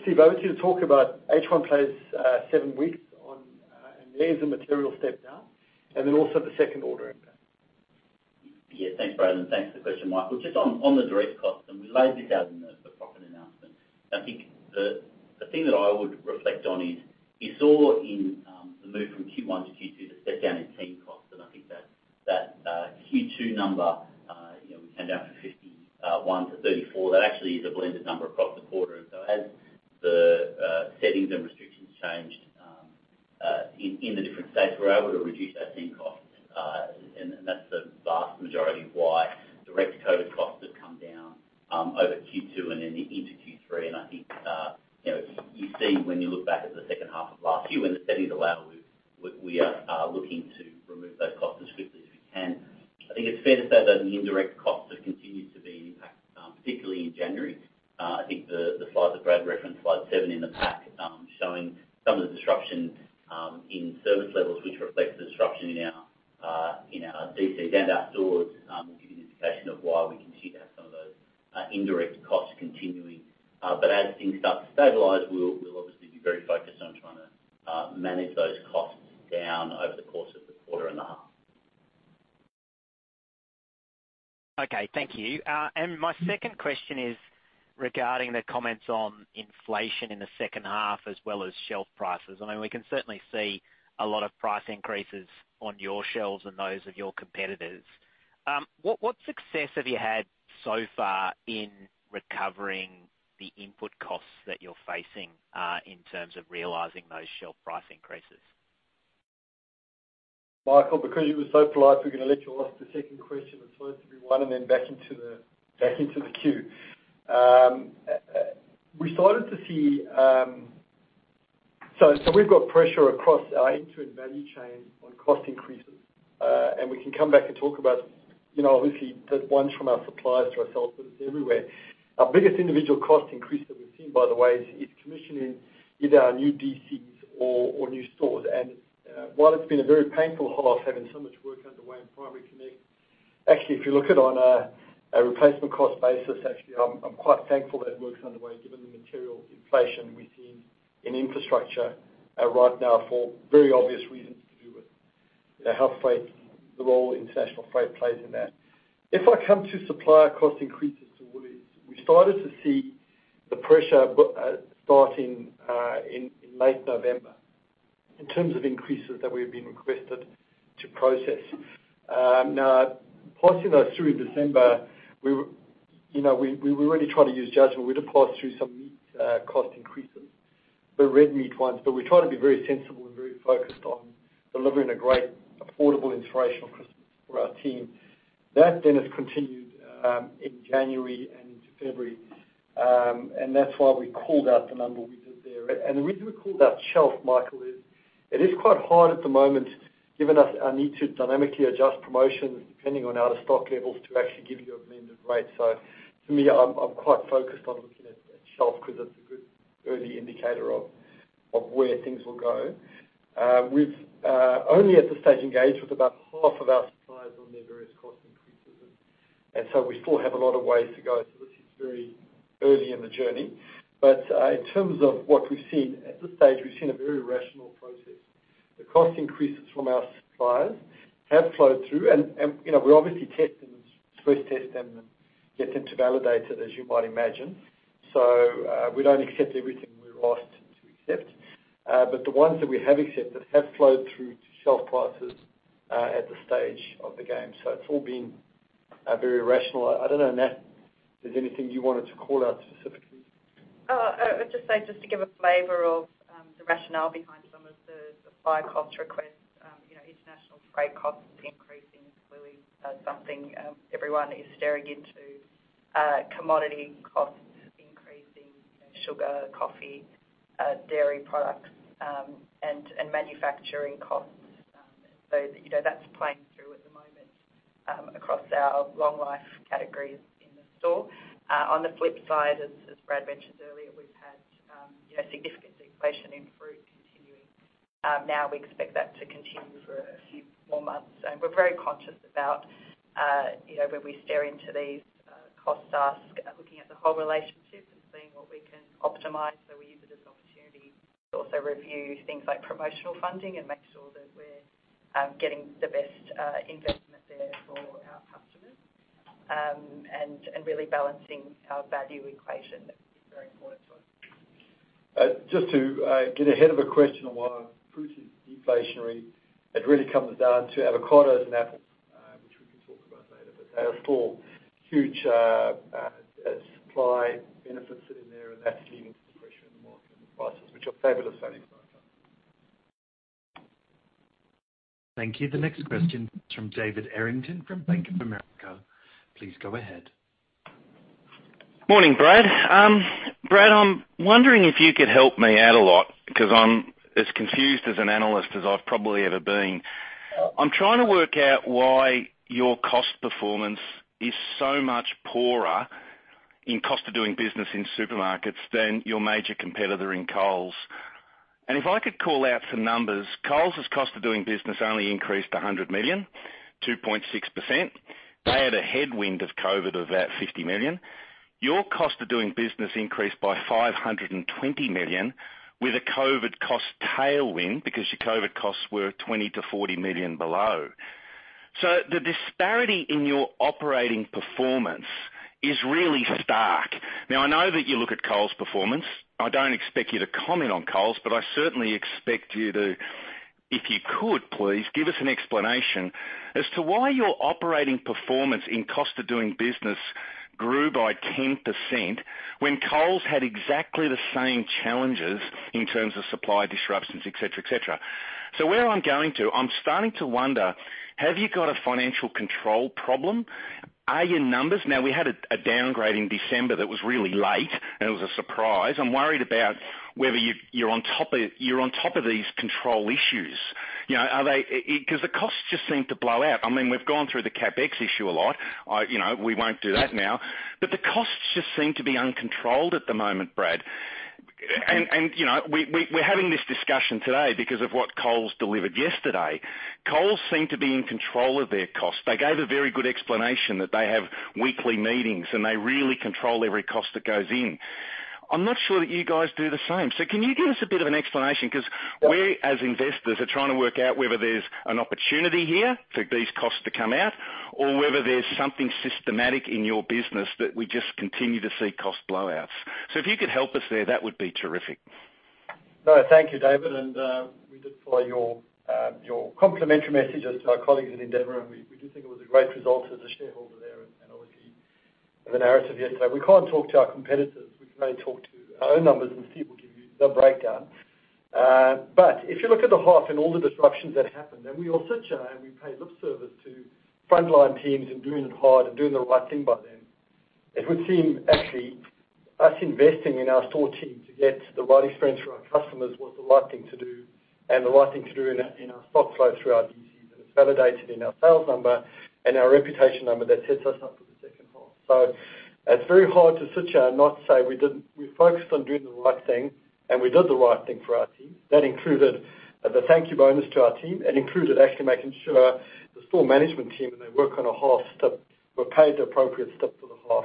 Stephen, I want you to talk about H1 trades 7 weeks on, and there's a material step down, and then also the second order impact. Yeah. Thanks, Brad, and thanks for the question, Michael. Just on the direct costs, and we laid this out in the profit announcement. I think the thing that I would reflect on is, you saw in the move from Q1 to Q2, the step down in team costs, and I think that Q2 number, you know, we came down from 51 to 34. That actually is a blended number across the quarter. As the settings and restrictions changed in the different states, we were able to reduce our team costs. That's the vast majority of why direct COVID costs have come down over Q2 and then into Q3. I think, you know, you see when you look back at the second half of last year, when the settings allow, we are looking to remove those costs as swiftly as we can. I think it's fair to say that the indirect costs have continued to be an impact, particularly in January. I think the slides that Brad referenced, slide seven in the pack, showing some of the disruption in service levels, which reflects the disruption in our DCs and outdoors, will give you an indication of why we continue to have some of those indirect costs continuing. As things start to stabilize, we'll obviously be very focused on trying to manage those costs down over the course of the quarter and a half. Okay. Thank you. My second question is regarding the comments on inflation in the second half as well as shelf prices. I mean, we can certainly see a lot of price increases on your shelves and those of your competitors. What success have you had so far in recovering the input costs that you're facing in terms of realizing those shelf price increases? Michael, because you were so polite, we're gonna let you ask the second question that's supposed to be one and then back into the queue. We've got pressure across our end-to-end value chain on cost increases. We can come back and talk about, you know, obviously the ones from our suppliers to ourselves, but it's everywhere. Our biggest individual cost increase that we've seen, by the way, is commissioning either our new DCs or new stores. While it's been a very painful half having so much work underway in Primary Connect, actually, if you look at on a replacement cost basis, actually I'm quite thankful that work's underway given the material inflation we've seen in infrastructure right now for very obvious reasons to do with, you know, how freight, the role international freight plays in that. If I come to supplier cost increases to Woolies, we started to see the pressure starting in late November in terms of increases that we've been requested to process. Now passing those through December, you know, we really try to use judgment. We had to pass through some meat cost increases. The red meat ones, but we try to be very sensible and very focused on delivering a great, affordable, inspirational Christmas for our team. That then has continued in January and into February. That's why we called out the number we did there. The reason we called out shelf, Michael, is it is quite hard at the moment, given our need to dynamically adjust promotions depending on our stock levels, to actually give you a blended rate. For me, I'm quite focused on looking at shelf 'cause it's a good early indicator of where things will go. We've only at this stage engaged with about half of our suppliers on their various cost increases and so we still have a lot of ways to go. This is very early in the journey. In terms of what we've seen, at this stage, we've seen a very rational process. The cost increases from our suppliers have flowed through and, you know, we obviously test and stress test them and get them to validate it, as you might imagine. We don't accept everything we're asked to accept. The ones that we have accepted have flowed through to shelf prices, at this stage of the game. It's all been very rational. I don't know, Nat, there's anything you wanted to call out specifically? I'd just say to give a flavor of the rationale behind some of the supplier cost requests, you know, international freight costs increasing is clearly something everyone is staring into. Commodity costs The coffee, dairy products, and manufacturing costs. You know, that's playing through at the moment across our long life categories in the store. On the flip side, as Brad mentioned earlier, we've had you know, significant deflation in fruit continuing. Now we expect that to continue for a few more months, and we're very conscious about you know, when we stare into these cost basket, looking at the whole relationship and seeing what we can optimize. We use it as an opportunity to also review things like promotional funding and make sure that we're getting the best investment there for our customers, and really balancing our value equation. That's very important to us. Just to get ahead of a question on why fruit is deflationary, it really comes down to avocados and apples, which we can talk about later, but they are still huge supply benefits sitting there, and that's leading to depression in the market and prices, which are fabulous for any buyer. Thank you. The next question is from David Errington from Bank of America. Please go ahead. Morning, Brad. Brad, I'm wondering if you could help me out a lot 'cause I'm as confused as an analyst as I've probably ever been. I'm trying to work out why your cost performance is so much poorer in cost of doing business in supermarkets than your major competitor in Coles. If I could call out some numbers, Coles' cost of doing business only increased 100 million, 2.6%. They had a headwind of COVID of about 50 million. Your cost of doing business increased by 520 million with a COVID cost tailwind because your COVID costs were 20 million-40 million below. The disparity in your operating performance is really stark. Now, I know that you look at Coles' performance. I don't expect you to comment on Coles, but I certainly expect you to, if you could please, give us an explanation as to why your operating performance in cost of doing business grew by 10% when Coles had exactly the same challenges in terms of supply disruptions, et cetera, et cetera. Where I'm going to, I'm starting to wonder, have you got a financial control problem? Are your numbers. Now, we had a downgrade in December that was really late, and it was a surprise. I'm worried about whether you're on top of these control issues. You know, are they 'cause the costs just seem to blow out. I mean, we've gone through the CapEx issue a lot. I, you know, we won't do that now, but the costs just seem to be uncontrolled at the moment, Brad. You know, we're having this discussion today because of what Coles delivered yesterday. Coles seem to be in control of their costs. They gave a very good explanation that they have weekly meetings, and they really control every cost that goes in. I'm not sure that you guys do the same. Can you give us a bit of an explanation? 'Cause we, as investors, are trying to work out whether there's an opportunity here for these costs to come out or whether there's something systematic in your business that we just continue to see cost blowouts. If you could help us there, that would be terrific. No, thank you, David. We did follow your complimentary messages to our colleagues at Endeavour, and we do think it was a great result as a shareholder there and obviously the narrative yesterday. We can't talk to our competitors. We can only talk to our own numbers, and Stephen will give you the breakdown. If you look at the half and all the disruptions that happened, and we all sit here, and we pay lip service to frontline teams and doing it hard and doing the right thing by them, it would seem actually us investing in our store team to get the right experience for our customers was the right thing to do and the right thing to do in our stock flow through our DCs, and it's validated in our sales number and our reputation number that sets us up for the second half. It's very hard to sit here and not say we focused on doing the right thing, and we did the right thing for our team. That included the thank you bonus to our team and included actually making sure the store management team, when they work on a half step, were paid the appropriate step for the half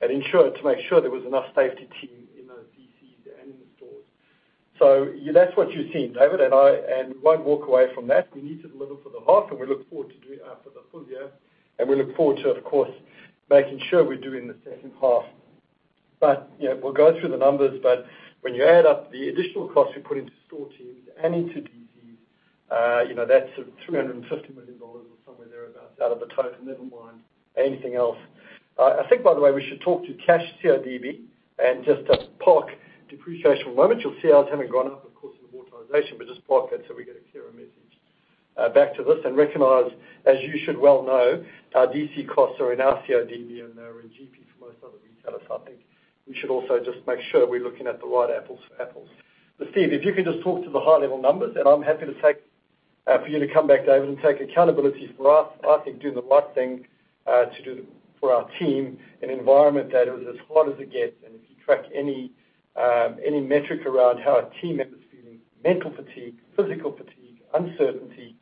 and to make sure there was enough safety team in those DCs and in the stores. That's what you're seeing, David. We won't walk away from that. We need to deliver for the half, and we look forward for the full year, and we look forward to, of course, making sure we do in the second half. You know, we'll go through the numbers, but when you add up the additional costs we put into store teams and into DC, you know, that's 350 million dollars or somewhere there about out of the total. Never mind anything else. I think, by the way, we should talk to cash CODB and just park depreciation for a moment. You'll see ours haven't gone up, of course, with amortization, but just park that so we get a clearer message back to this and recognize, as you should well know, our DC costs are in our CODB and they're in GP for most other retailers. I think we should also just make sure we're looking at the right apples for apples. Steve, if you could just talk to the high-level numbers, and I'm happy to take for you to come back, David, and take accountability for us, I think, doing the right thing to do for our team in an environment that it was as hard as it gets. If you track any metric around how our team members feeling mental fatigue, physical fatigue, uncertainty,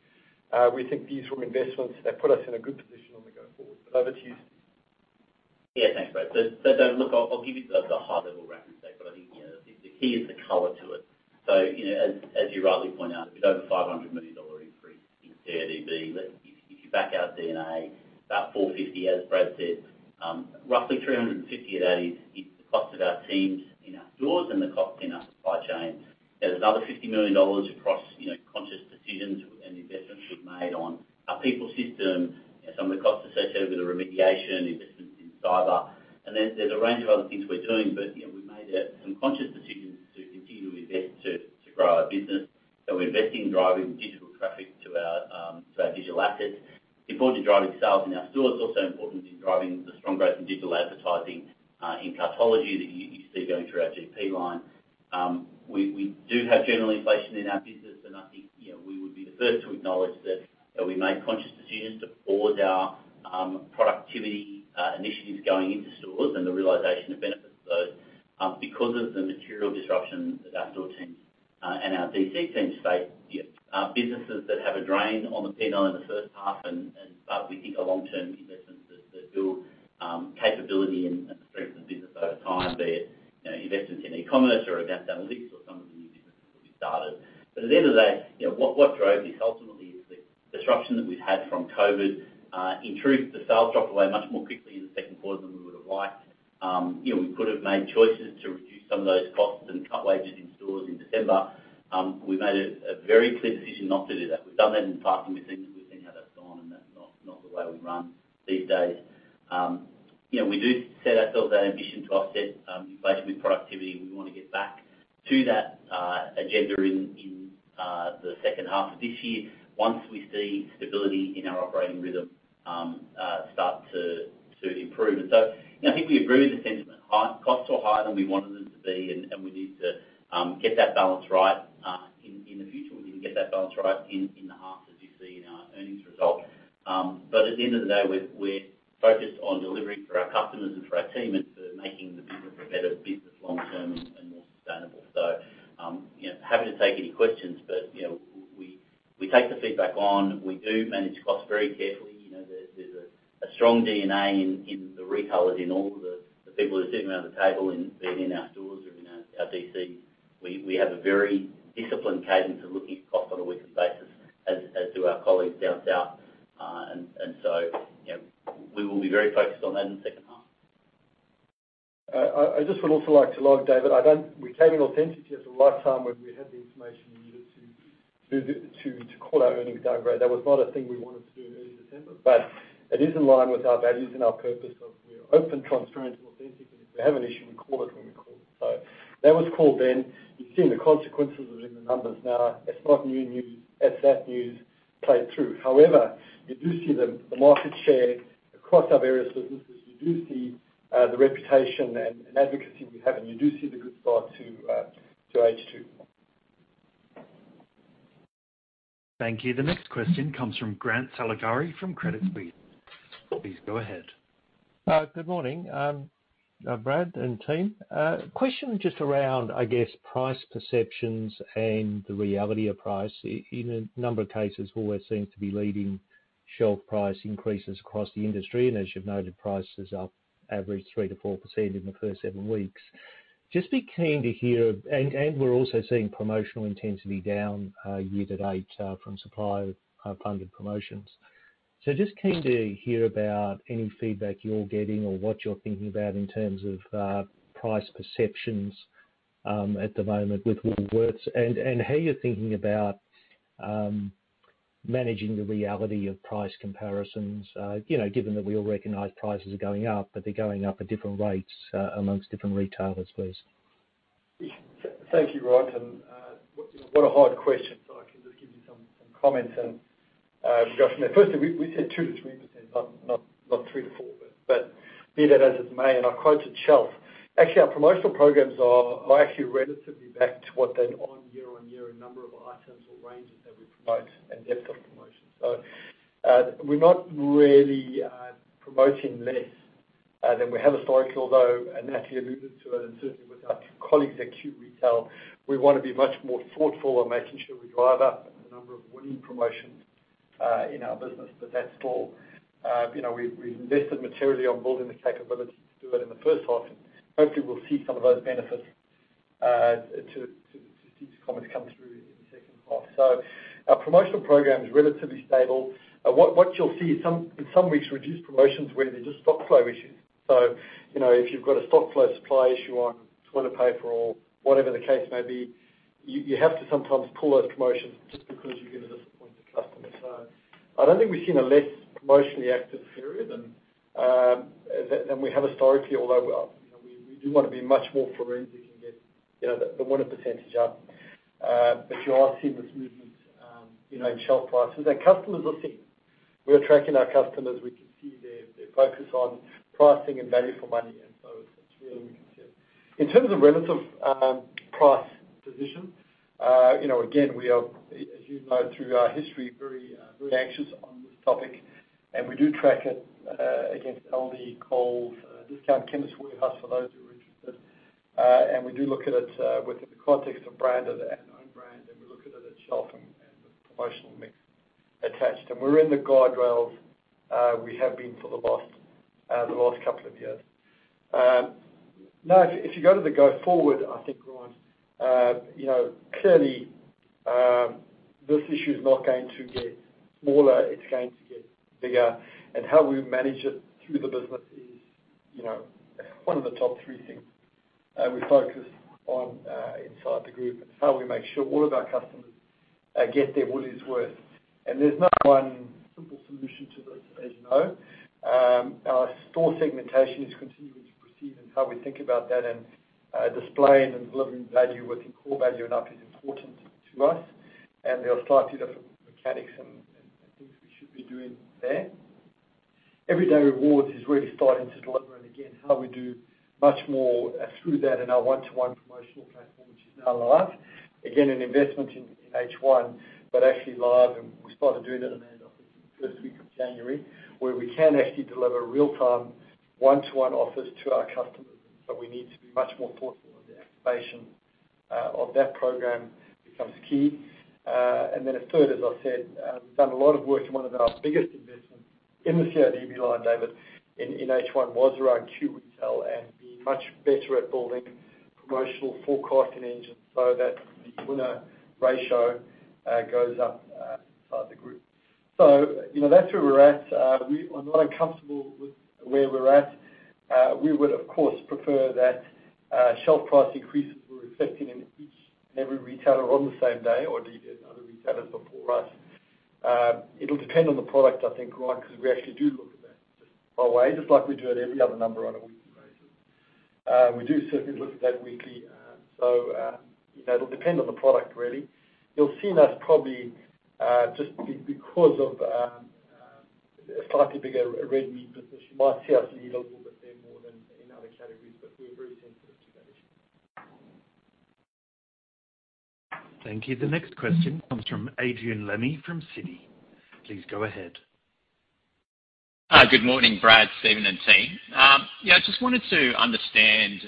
we think these were investments that put us in a good position on the go forward. Over to you, Steve. Yeah, thanks, Brad. David, look, I'll give you the high-level wrap and say, but I think, you know, the key is the color to it. You know, as you rightly point out, with over 500 million dollars increase in CODB, that if you back out D&A, about 450, as Brad said, roughly 350 of that is the cost of our teams in our stores and the cost in our supply chain. There's another 50 million dollars across, you know, conscious decisions and investments we've made on our people system and some of the costs associated with the remediation, investments in cyber. And then there's a range of other things we're doing, but, you know, we've made some conscious decisions to continue to invest, to grow our business. We're investing in driving digital traffic to our digital assets. Important to driving sales in our stores, also important in driving the strong growth in digital advertising in Cartology that you see going through our GP line. We do have general inflation in our business, and I think, you know, we would be the first to acknowledge that we made conscious decisions to pause our productivity initiatives going into stores and the realization of benefits of those because of the material disruption that our store teams and our DC teams face. Our businesses that have a drain on the P&L in the first half and we think are long-term investments that build capability and strengthen business over time, be it, you know, investments in e-commerce or advanced analytics or some of the new businesses that we've started. At the end of the day, you know, what drove this ultimately is the disruption that we've had from COVID. In truth, the sales dropped away much more quickly in the second quarter than we would've liked. You know, we could have made choices to reduce some of those costs and cut wages in stores in December. We made a very clear decision not to do that. We've done that in the past, and we've seen how that's gone, and that's not the way we run these days. You know, we do set ourselves that ambition to offset inflation with productivity. We wanna get back to that agenda in the second half of this year once we see stability in our operating rhythm start to improve. You know, I think we agree with the sentiment. High costs were higher than we wanted them to be, and we need to get that balance right in the future. We didn't get that balance right in the half, as you see in our earnings result. At the end of the day, we're focused on delivering for our customers and for our team and for making the business a better business long-term and more sustainable. You know, happy to take any questions, but you know, we take the feedback on. We do manage costs very carefully. You know, there's a strong DNA in the retailers, in all of the people who are sitting around the table, be it in our stores or in our DC. We have a very disciplined cadence of looking at cost on a weekly basis as do our colleagues down south. You know, we will be very focused on that in the second half. I just would also like to add, David. We came in with authenticity at the right time when we had the information we needed to call our earnings downgrade. That was not a thing we wanted to do in early December, but it is in line with our values and our purpose. We're open, transparent, and authentic. If we have an issue, we call it when we call it. That was called then. You've seen the consequences of it in the numbers now. It's not new news. It's that news played through. However, you do see the market share across our various businesses. You do see the reputation and advocacy we have, and you do see the good start to H2. Thank you. The next question comes from Grant Saligari from Credit Suisse. Please go ahead. Good morning, Brad and team. Question just around, I guess, price perceptions and the reality of price. In a number of cases, Woolworths seems to be leading shelf price increases across the industry, and as you've noted, prices are up average 3%-4% in the first seven weeks. Just keen to hear. We're also seeing promotional intensity down, year to date, from supplier funded promotions. Just keen to hear about any feedback you're getting or what you're thinking about in terms of price perceptions at the moment with Woolworths. How you're thinking about managing the reality of price comparisons, given that we all recognize prices are going up, but they're going up at different rates among different retailers, please. Yeah. Thank you, Grant. What a hard question. I can just give you some comments and we'll go from there. Firstly, we said 2%-3%, not 3%-4%. Be that as it may, and I quoted shelf. Actually, our promotional programs are actually relatively back to what they are on year-on-year in number of items or ranges that we promote and depth of promotions. We're not really promoting less than we have historically, although Natalie alluded to it, and certainly with our colleagues at Q-Retail, we wanna be much more thoughtful on making sure we drive up the number of winning promotions in our business. That's all. You know, we've invested materially on building the capability to do it in the first half, and hopefully we'll see some of those benefits to see the comments come through in the second half. Our promotional program is relatively stable. What you'll see is some reduced promotions in some weeks where there's just stock flow issues. You know, if you've got a stock flow supply issue on toilet paper or whatever the case may be, you have to sometimes pull those promotions just because you're gonna disappoint the customer. I don't think we've seen a less promotionally active period than we have historically, although you know, we do wanna be much more forensic and get the winner percentage up. You are seeing this movement, you know, in shelf prices, and customers are seeing. We are tracking our customers. We can see their focus on pricing and value for money. It's really a concern. In terms of relative price position, you know, again, we are, as you know, through our history, very anxious on this topic. We do track it against Aldi, Coles, Chemist Warehouse for those who are interested. We do look at it within the context of brand and our own brand, and we look at it at shelf and the promotional mix attached. We're in the guardrails, we have been for the last couple of years. Now, if you go to the going forward, I think, Grant, you know, clearly, this issue is not going to get smaller. It's going to get bigger. How we manage it through the business is, you know, one of the top three things we focus on inside the group. It's how we make sure all of our customers get their Woolies worth. There's no one simple solution to this, as you know. Our store segmentation is continuing to proceed and how we think about that and displaying and delivering value, working CORE/VALUE/UP is important to us, and they are slightly different mechanics and things we should be doing there. Everyday Rewards is really starting to deliver. Again, how we do much more through that in our one-to-one promotional platform, which is now live. Again, an investment in H1, but actually live, and we started doing that on the first week of January, where we can actually deliver real-time one-to-one offers to our customers, but we need to be much more thoughtful in the activation of that program becomes key. A third, as I said, we've done a lot of work and one of our biggest investments in the CRV line, David, in H1 was around Q-Retail and being much better at building promotional personalisation engine so that the win ratio goes up inside the group. You know, that's where we're at. We're not uncomfortable with where we're at. We would, of course, prefer that shelf price increases were effected in each and every retailer on the same day or the other retailers before us. It'll depend on the product, I think, right? Because we actually do look at that just like we do at every other number on a weekly basis. We do certainly look at that weekly. You know, it'll depend on the product, really. You'll see us probably just because of a slightly bigger red meat business, you might see us move a little bit there more than in other categories, but we're very sensitive to that issue. Thank you. The next question comes from Adrian Lemme from Citi. Please go ahead. Good morning, Brad, Stephen, and team. Yeah, just wanted to understand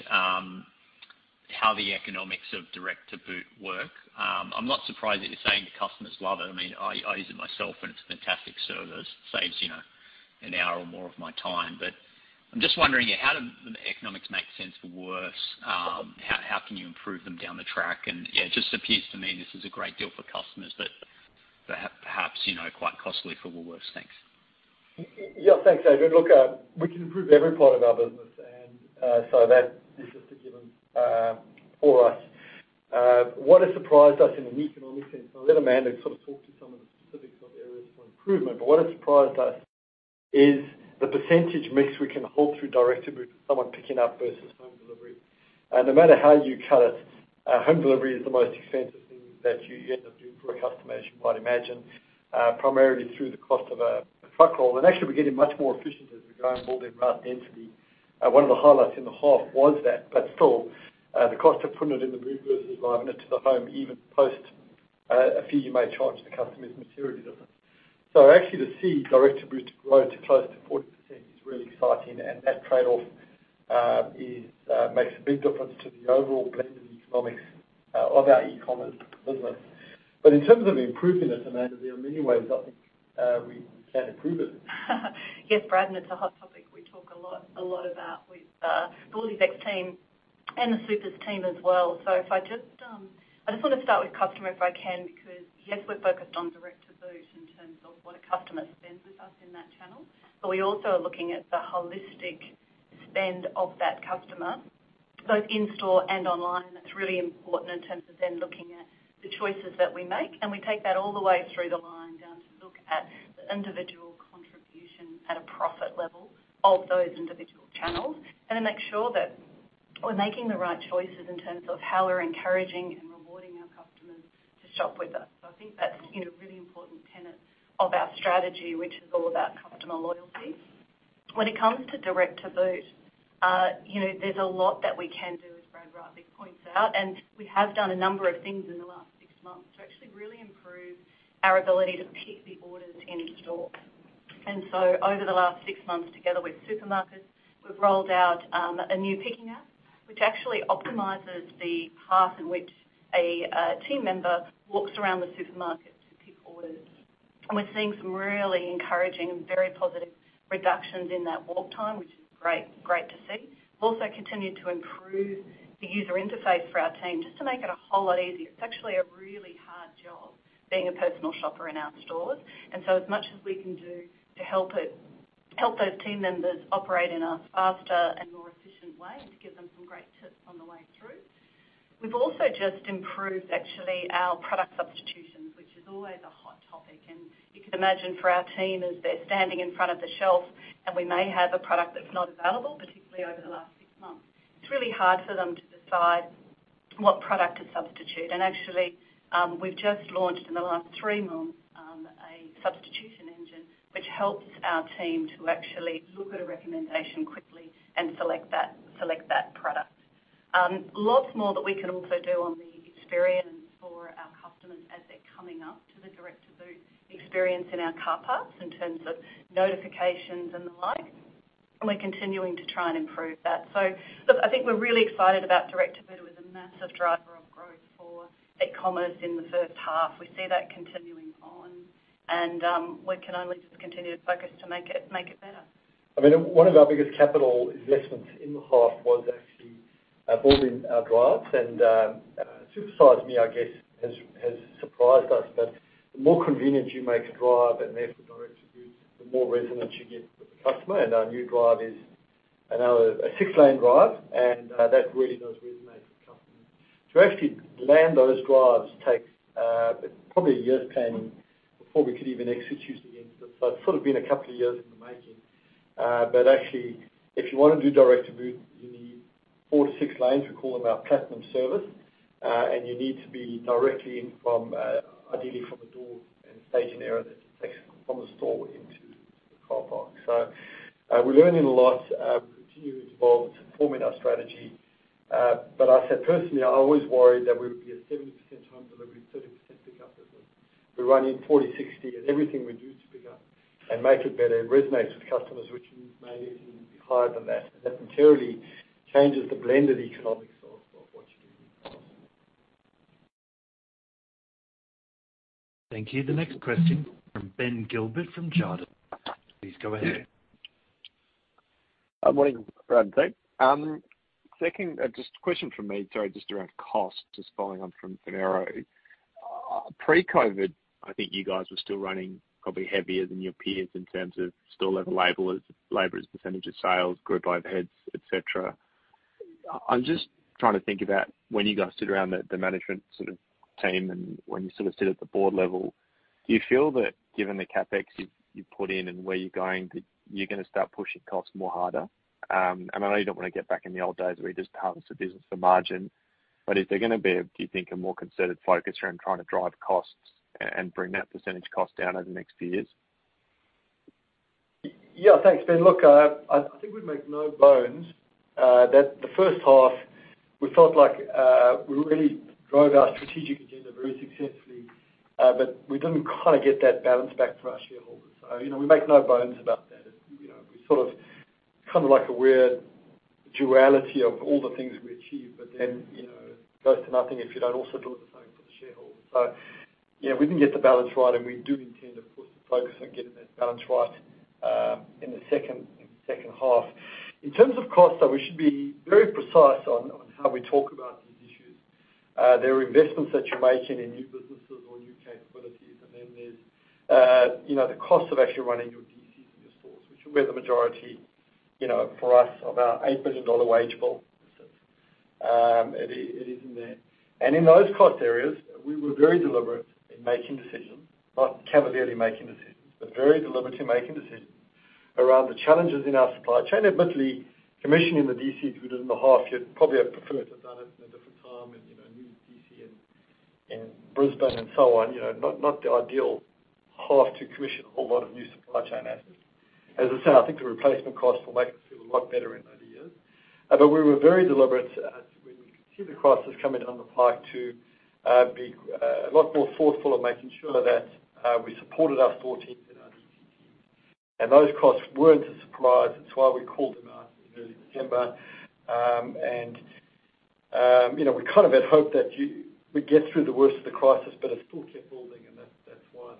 how the economics of Direct to Boot work. I'm not surprised that you're saying the customers love it. I mean, I use it myself and it's a fantastic service. Saves, you know, an hour or more of my time. But I'm just wondering how do the economics make sense for Woolworths? How can you improve them down the track? Yeah, it just appears to me this is a great deal for customers, but perhaps, you know, quite costly for Woolworths. Thanks. Yeah. Thanks, Adrian Lemme. Look, we can improve every part of our business and, so that is just a given, for us. What has surprised us in an economic sense, I'll let Amanda Bardwell sort of talk to some of the specifics of areas for improvement, but what has surprised us is the percentage mix we can hold through Direct to Boot with someone picking up versus home delivery. No matter how you cut it, home delivery is the most expensive thing that you end up doing for a customer, as you might imagine, primarily through the cost of a truck roll. Actually, we're getting much more efficient as we go and build in route density. One of the highlights in the half was that. Still, the cost of putting it in the boot versus driving it to the home, even post a fee you may charge the customer is materially different. Actually to see direct-to-boot grow to close to 40% is really exciting, and that trade-off makes a big difference to the overall blend and economics of our e-commerce business. In terms of improving it, Amanda, there are many ways I think we can improve it. Yes, Brad. It's a hot topic we talk a lot about with the WooliesX team and the Supers team as well. If I just wanna start with customer, if I can, because yes, we're focused on direct to boot in terms of what a customer spends with us in that channel, but we also are looking at the holistic spend of that customer, both in store and online. That's really important in terms of then looking at the choices that we make. We take that all the way through the line down to look at the individual contribution at a profit level of those individual channels and to make sure that we're making the right choices in terms of how we're encouraging and rewarding our customers to shop with us. I think that's, you know, a really important tenet of our strategy, which is all about customer loyalty. When it comes to Direct to Boot, you know, there's a lot that we can do, as Brad rightly points out, and we have done a number of things in the last six months to actually really improve our ability to pick the orders in each store. Over the last six months, together with supermarkets, we've rolled out a new picking app, which actually optimizes the path in which a team member walks around the supermarket to pick orders. We're seeing some really encouraging and very positive reductions in that walk time, which is great to see. We've also continued to improve the user interface for our team just to make it a whole lot easier. It's actually a really hard job being a personal shopper in our stores. As much as we can do to help it, help those team members operate in a faster and more efficient way and to give them some great tips on the way through. We've also just improved actually our product substitutions, which is always a hot topic. You can imagine for our team, as they're standing in front of the shelf, and we may have a product that's not available, particularly over the last six months, it's really hard for them to decide what product to substitute. Actually, we've just launched in the last three months, a substitution engine, which helps our team to actually look at a recommendation quickly and select that product. Lots more that we can also do on the experience for our customers as they're coming up to the Direct to Boot experience in our car parks in terms of notifications and the like. We're continuing to try and improve that. Look, I think we're really excited about Direct to Boot. It was a massive driver of growth for e-commerce in the first half. We see that continuing on, and we can only just continue to focus to make it better. I mean, one of our biggest capital investments in the half was actually building our drives and supersizing them, I guess, has surprised us. The more convenient you make a drive and therefore direct to boot, the more resonance you get with the customer. Our new drive is another a six-lane drive, and that really does resonate. To actually land those drives takes probably a year's planning before we could even execute against it. It's sort of been a couple of years in the making. Actually if you wanna do direct to boot, you need four to six lanes. We call them our platinum service, and you need to be directly in from ideally from the door and staging area that takes it from the store into the car park. We're learning a lot, we continue to evolve and to form in our strategy. I said personally, I always worried that we would be at 70% home delivery, 30% pickup at best. We're running 40-60 and everything we do to pick up and make it better resonates with customers, which means may even be higher than that. That materially changes the blended economics of what you're doing. Thank you. The next question from Ben Gilbert from Jarden. Please go ahead. Yeah. Morning, Dave. Second, just a question from me, sorry, just around cost, just following on from David Errington. Pre-COVID, I think you guys were still running probably heavier than your peers in terms of store level labelers, labor as a percentage of sales, group overheads, et cetera. I'm just trying to think about when you guys sit around the management sort of team and when you sort of sit at the board level, do you feel that given the CapEx you've put in and where you're going, that you're gonna start pushing costs more harder? I know you don't wanna get back in the old days where you just harvest the business for margin, but is there gonna be, do you think, a more considered focus around trying to drive costs and bring that percentage cost down over the next few years? Yeah. Thanks, Ben. Look, I think we'd make no bones that the first half we felt like we really drove our strategic agenda very successfully, but we didn't kind of get that balance back for our shareholders. You know, we make no bones about that. You know, we sort of kind of like a weird duality of all the things that we achieve, but then, you know, it goes to nothing if you don't also do the same for the shareholders. You know, we didn't get the balance right and we do intend, of course, to focus on getting that balance right in the second half. In terms of costs, though, we should be very precise on how we talk about these issues. There are investments that you're making in new businesses or new capabilities, and then there's, you know, the cost of actually running your DCs and your stores, which are where the majority, you know, for us of our 8 billion dollar wage bill, it is in there. In those cost areas, we were very deliberate in making decisions, not cavalierly making decisions, but very deliberate in making decisions around the challenges in our supply chain. Admittedly, commissioning the DCs we did in the half year, probably I'd prefer to have done it in a different time and, you know, new DC in Brisbane and so on. You know, not the ideal half to commission a whole lot of new supply chain assets. As I say, I think the replacement costs will make us feel a lot better in later years. We were very deliberate as we could see the crisis coming down the pipe to be a lot more thoughtful of making sure that we supported our four teams in our DC. Those costs weren't a surprise, that's why we called them out in early December. You know, we kind of had hoped that we'd get through the worst of the crisis, but it still kept building and that's why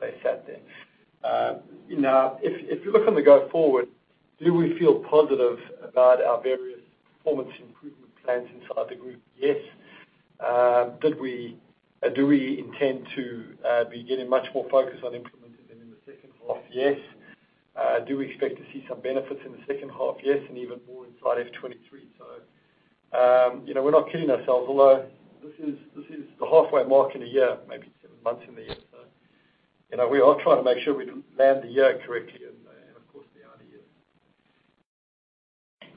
they sat there. You know, if you look going forward, do we feel positive about our various performance improvement plans inside the group? Yes. Do we intend to be getting much more focused on implementing them in the second half? Yes. Do we expect to see some benefits in the second half? Yes. Even more inside FY 2023. You know, we're not kidding ourselves, although this is the halfway mark in a year, maybe seven months in the year. You know, we are trying to make sure we land the year correctly and of course the other years.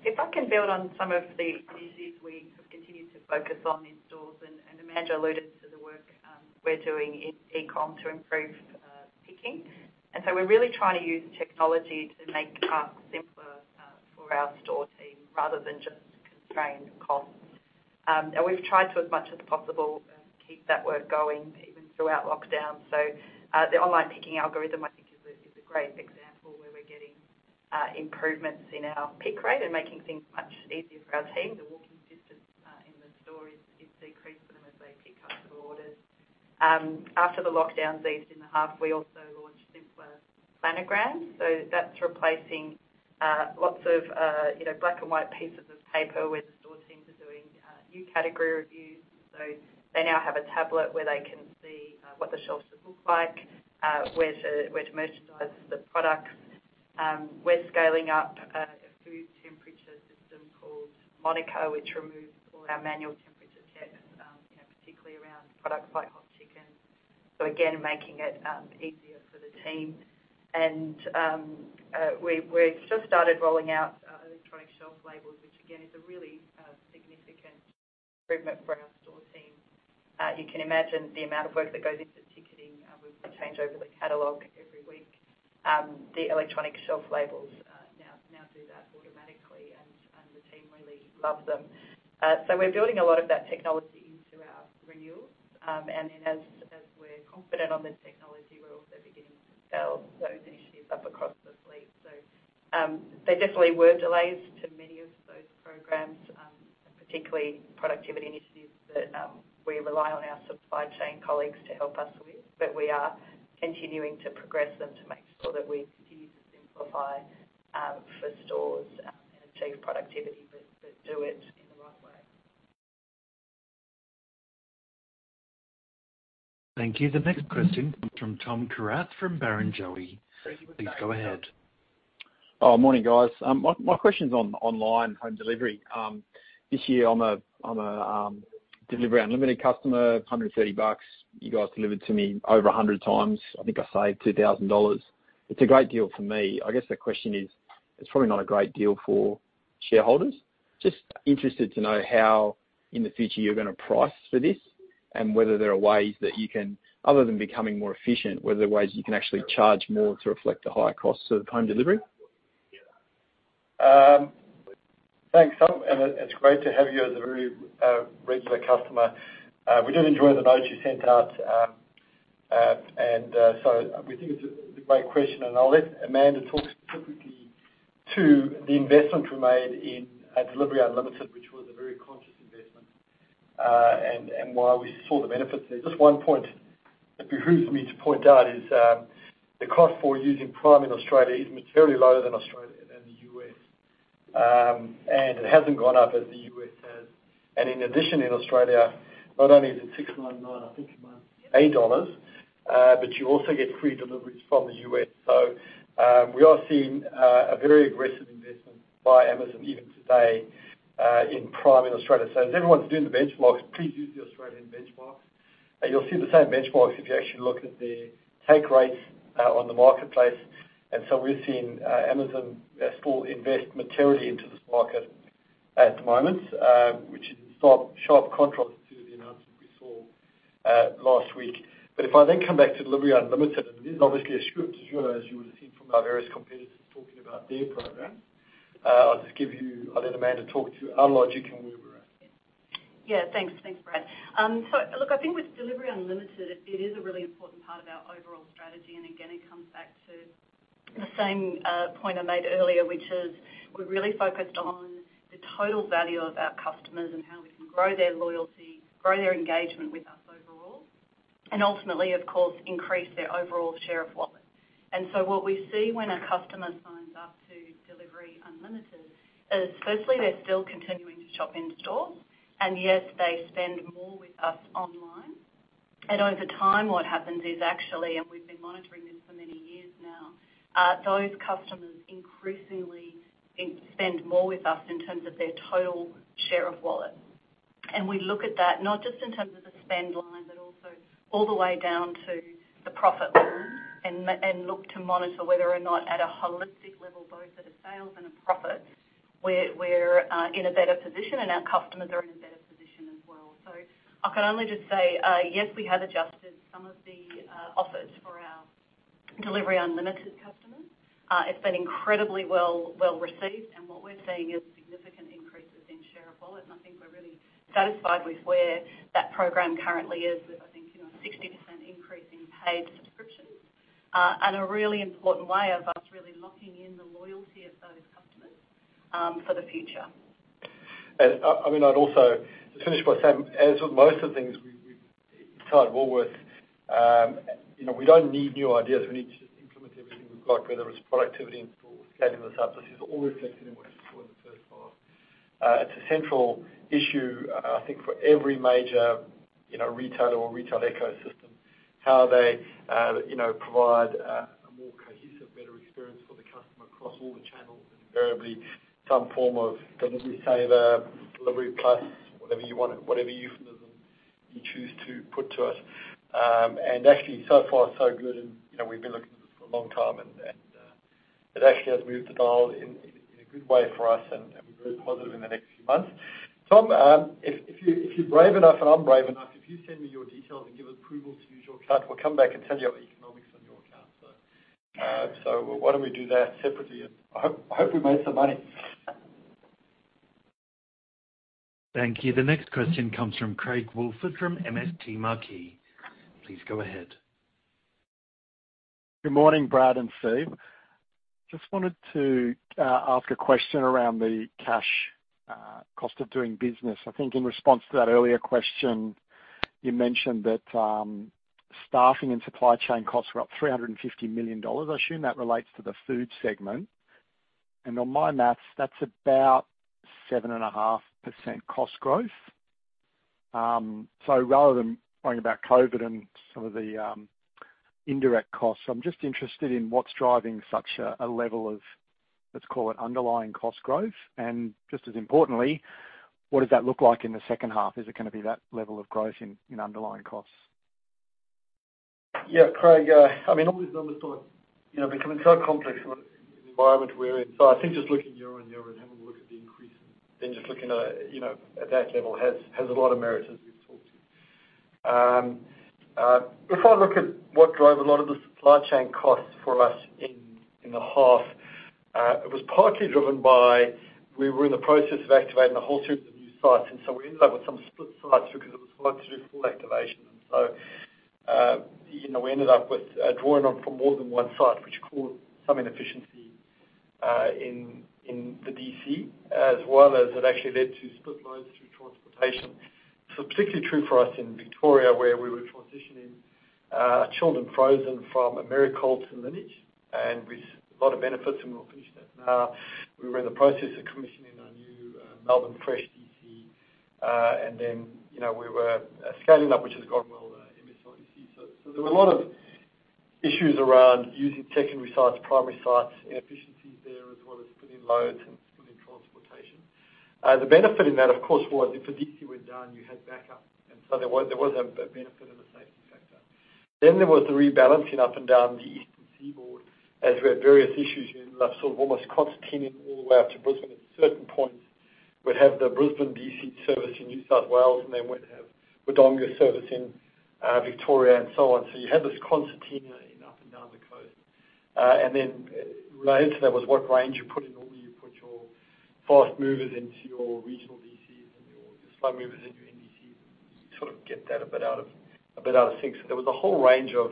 If I can build on some of the initiatives we have continued to focus on in stores, and Amanda alluded to the work we're doing in e-com to improve picking. We're really trying to use technology to make tasks simpler for our store team rather than just constrain costs. We've tried to as much as possible keep that work going even throughout lockdown. The online picking algorithm I think is a great example where we're getting improvements in our pick rate and making things much easier for our team. The walking distance in the store is decreased for them as they pick customer orders. After the lockdowns eased in the half, we also launched simpler planograms. That's replacing lots of, you know, black and white pieces of paper where the store teams are doing new category reviews. They now have a tablet where they can see what the shelves should look like, where to merchandise the product. We're scaling up a food temperature system called Monaco, which removes all our manual temperature checks, you know, particularly around products like hot chicken. Again, making it easier for the team. We've just started rolling out electronic shelf labels, which again is a really significant improvement for our store team. You can imagine the amount of work that goes into ticketing with the changeover the catalog every week. The electronic shelf labels now do that automatically and the team really loves them. We're building a lot of that technology into our renewals. As we're confident on the technology, we're also beginning to sell those initiatives up across the fleet. There definitely were delays to many of those programs, particularly productivity initiatives that we rely on our supply chain colleagues to help us with. We are continuing to progress them to make sure that we continue to simplify for stores and achieve productivity, but do it in the right way. Thank you. The next question comes from Thomas Kierath from Barrenjoey. Please go ahead. Oh, morning, guys. My question's on online home delivery. This year I'm a Delivery Unlimited customer, 130 bucks. You guys delivered to me over 100 times. I think I saved 2,000 dollars. It's a great deal for me. I guess the question is, it's probably not a great deal for shareholders. Just interested to know how, in the future, you're gonna price for this and whether there are ways that you can, other than becoming more efficient, actually charge more to reflect the higher costs of home delivery? Thanks, Tom, and it's great to have you as a very regular customer. We did enjoy the note you sent out. We think it's a great question, and I'll let Amanda talk specifically to the investment we made in Delivery Unlimited, which was a very conscious investment, and while we saw the benefits there. Just one point it behooves me to point out is the cost for using Prime in Australia is materially lower than the US. It hasn't gone up as the US has. In addition, in Australia, not only is it 6.99 a month, 8 dollars, but you also get free deliveries from the US. We are seeing a very aggressive investment by Amazon even today in Prime in Australia. As everyone's doing the benchmarks, please use the Australian benchmarks. You'll see the same benchmarks if you actually look at the take rates on the marketplace. We're seeing Amazon still invest materially into this market at the moment, which is in sharp contrast to the announcement we saw last week. If I then come back to Delivery Unlimited, and it is obviously a subscription, as you would know, as you would have seen from our various competitors talking about their program, I'll let Amanda talk to our logic and where we're at. Yeah. Thanks. Thanks, Brad. Look, I think with Delivery Unlimited, it is a really important part of our overall strategy, and again, it comes back to the same point I made earlier, which is we're really focused on the total value of our customers and how we can grow their loyalty, grow their engagement with us overall, and ultimately, of course, increase their overall share of wallet. What we see when a customer signs up to Delivery Unlimited is firstly, they're still continuing to shop in store, and yet they spend more with us online. Over time, what happens is actually, and we've been monitoring this for many years now, those customers increasingly spend more with us in terms of their total share of wallet. We look at that not just in terms of the spend line, but also all the way down to the profit line and look to monitor whether or not at a holistic level, both at a sales and a profit, we're in a better position and our customers are in a better position as well. I can only just say yes, we have adjusted some of the offers for our Delivery Unlimited customers. It's been incredibly well-received, and what we're seeing is significant increases in share of wallet, and I think we're really satisfied with where that program currently is, with, I think, you know, 60% increase in paid subscriptions, and a really important way of us really locking in the loyalty of those customers for the future. I mean, I'd also just finish by saying, as with most of the things we've inside Woolworths, you know, we don't need new ideas. We need to just implement everything we've got, whether it's productivity in store, scaling this up. This is all reflected in what you saw in the first half. It's a central issue, I think for every major, you know, retailer or retail ecosystem, how they, you know, provide a more cohesive, better experience for the customer across all the channels and invariably some form of Delivery Saver, Delivery Plus, whatever you wanna, whatever euphemism you choose to put to it. Actually so far, so good, you know, we've been looking at this for a long time, it actually has moved the dial in a good way for us, and we're very positive in the next few months. Tom, if you're brave enough, and I'm brave enough, if you send me your details and give us approval to use your account, we'll come back and tell you the economics on your account. Why don't we do that separately and I hope we made some money. Thank you. The next question comes from Craig Woolford from MST Marquee. Please go ahead. Good morning, Brad and Steve. Just wanted to ask a question around the cost of doing business. I think in response to that earlier question, you mentioned that staffing and supply chain costs were up 350 million dollars. I assume that relates to the food segment. On my math, that's about 7.5% cost growth. Rather than worrying about COVID and some of the indirect costs, I'm just interested in what's driving such a level of, let's call it underlying cost growth. Just as importantly, what does that look like in the second half? Is it gonna be that level of growth in underlying costs? Yeah, Craig, I mean, all these numbers are, you know, becoming so complex in the environment we're in. I think just looking year-on-year and having a look at the increase and then just looking at, you know, at that level has a lot of merit as we've talked through. If I look at what drove a lot of the supply chain costs for us in the half, it was partly driven by we were in the process of activating a whole series of new sites, and we ended up with some split sites because it was slow to do full activation. You know, we ended up with drawing on from more than one site, which caused some inefficiency in the DC as well as it actually led to split loads through transportation. Particularly true for us in Victoria, where we were transitioning chilled and frozen from Americold to Lineage and with a lot of benefits, and we'll finish that. Now, we were in the process of commissioning a Melbourne Fresh DC, and then you know we were scaling up, which has gone well, MSRDC. So there were a lot of issues around using secondary sites, primary sites, inefficiencies there, as well as splitting loads and splitting transportation. The benefit in that, of course, was if a DC went down, you had backup. There was a benefit and a safety factor. There was the rebalancing up and down the eastern seaboard as we had various issues. You know, sort of almost concertina all the way up to Brisbane. At certain points, we'd have the Brisbane DC service in New South Wales, and then we'd have Wodonga service in Victoria and so on. You had this concertinaing up and down the coast. Related to that was what range you put in or where you put your fast movers into your regional DCs and your slow movers in your NDCs, and sort of get that a bit out of sync. There was a whole range of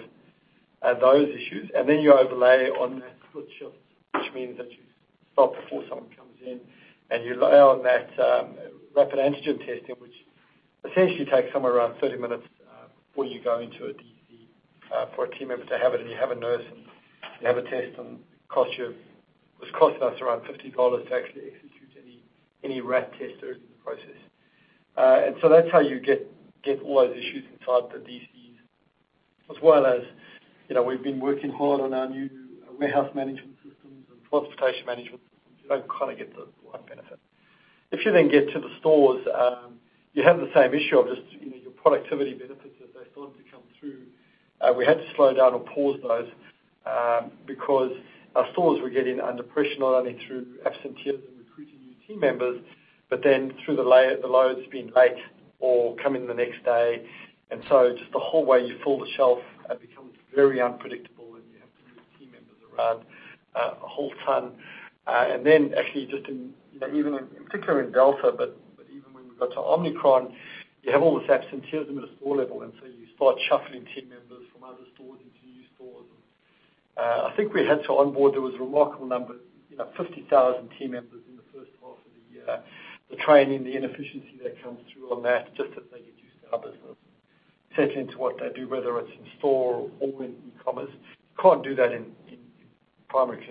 those issues. You overlay on that shift starts, which means that you stop before someone comes in and you layer on that rapid antigen testing, which essentially takes somewhere around 30 minutes before you go into a DC for a team member to have it. You have a nurse and you have a test and it costs you. It was costing us around 50 dollars to actually execute any RAT tester in the process. That's how you get all those issues inside the DCs, as well as, you know, we've been working hard on our new warehouse management systems and transportation management systems. You don't kind of get the right benefit. If you then get to the stores, you have the same issue of just, you know, your productivity benefits as they start to come through. We had to slow down or pause those, because our stores were getting under pressure, not only through absenteeism and recruiting new team members, but then through the loads being late or coming the next day. Just the whole way you fill the shelf becomes very unpredictable, and you have to move team members around a whole ton. Then actually just in, you know, even in, particularly in Delta, but even when we got to Omicron, you have all this absenteeism at a store level, and so you start shuffling team members from other stores into new stores. I think we had to onboard; there was a remarkable number, you know, 50,000 team members in the first half of the year. The training, the inefficiency that comes through on that, just as they get used to our business, settle into what they do, whether it's in store or in e-commerce, can't do that in Primary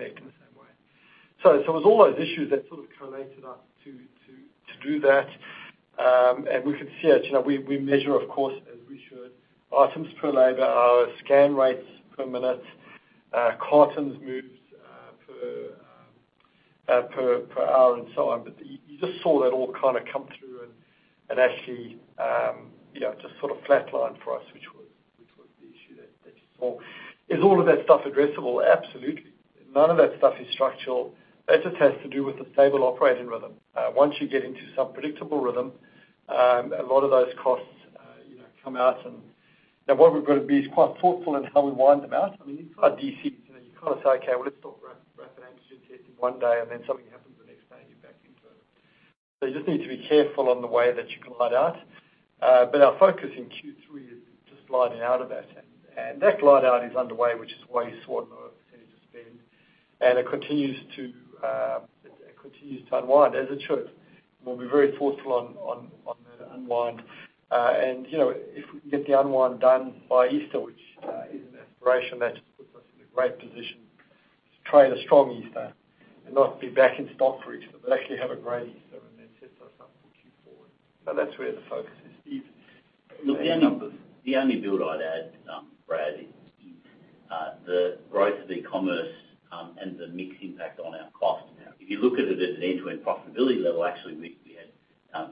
Connect in the same way. It was all those issues that sort of collated up to do that. We could see it. You know, we measure, of course, as we should, items per labor hour, scan rates per minute, cartons moved per hour and so on. You just saw that all kind of come through and actually, you know, just sort of flatline for us, which was the issue that you saw. Is all of that stuff addressable? Absolutely. None of that stuff is structural. That just has to do with the stable operating rhythm. Once you get into some predictable rhythm, a lot of those costs, you know, come out. What we've got to be is quite thoughtful in how we wind them out. I mean, these are DCs. You know, you can't say, "Okay, well, let's stop rapid antigen testing," one day and then something happens the next day and you're back into it. You just need to be careful on the way that you glide out. Our focus in Q3 is just gliding out of that. That glide out is underway, which is why you saw it in the percentage of spend. It continues to unwind, as it should. We'll be very forceful on the unwind. You know, if we can get the unwind done by Easter, which is an aspiration, that just puts us in a great position to trade a strong Easter and not be back in stock for Easter, but actually have a great Easter and then set ourselves up for Q4. That's where the focus is. Steve. Yeah. Look, the only build I'd add, Brad, is the growth of e-commerce and the mix impact on our costs. If you look at it at an end-to-end profitability level, actually we had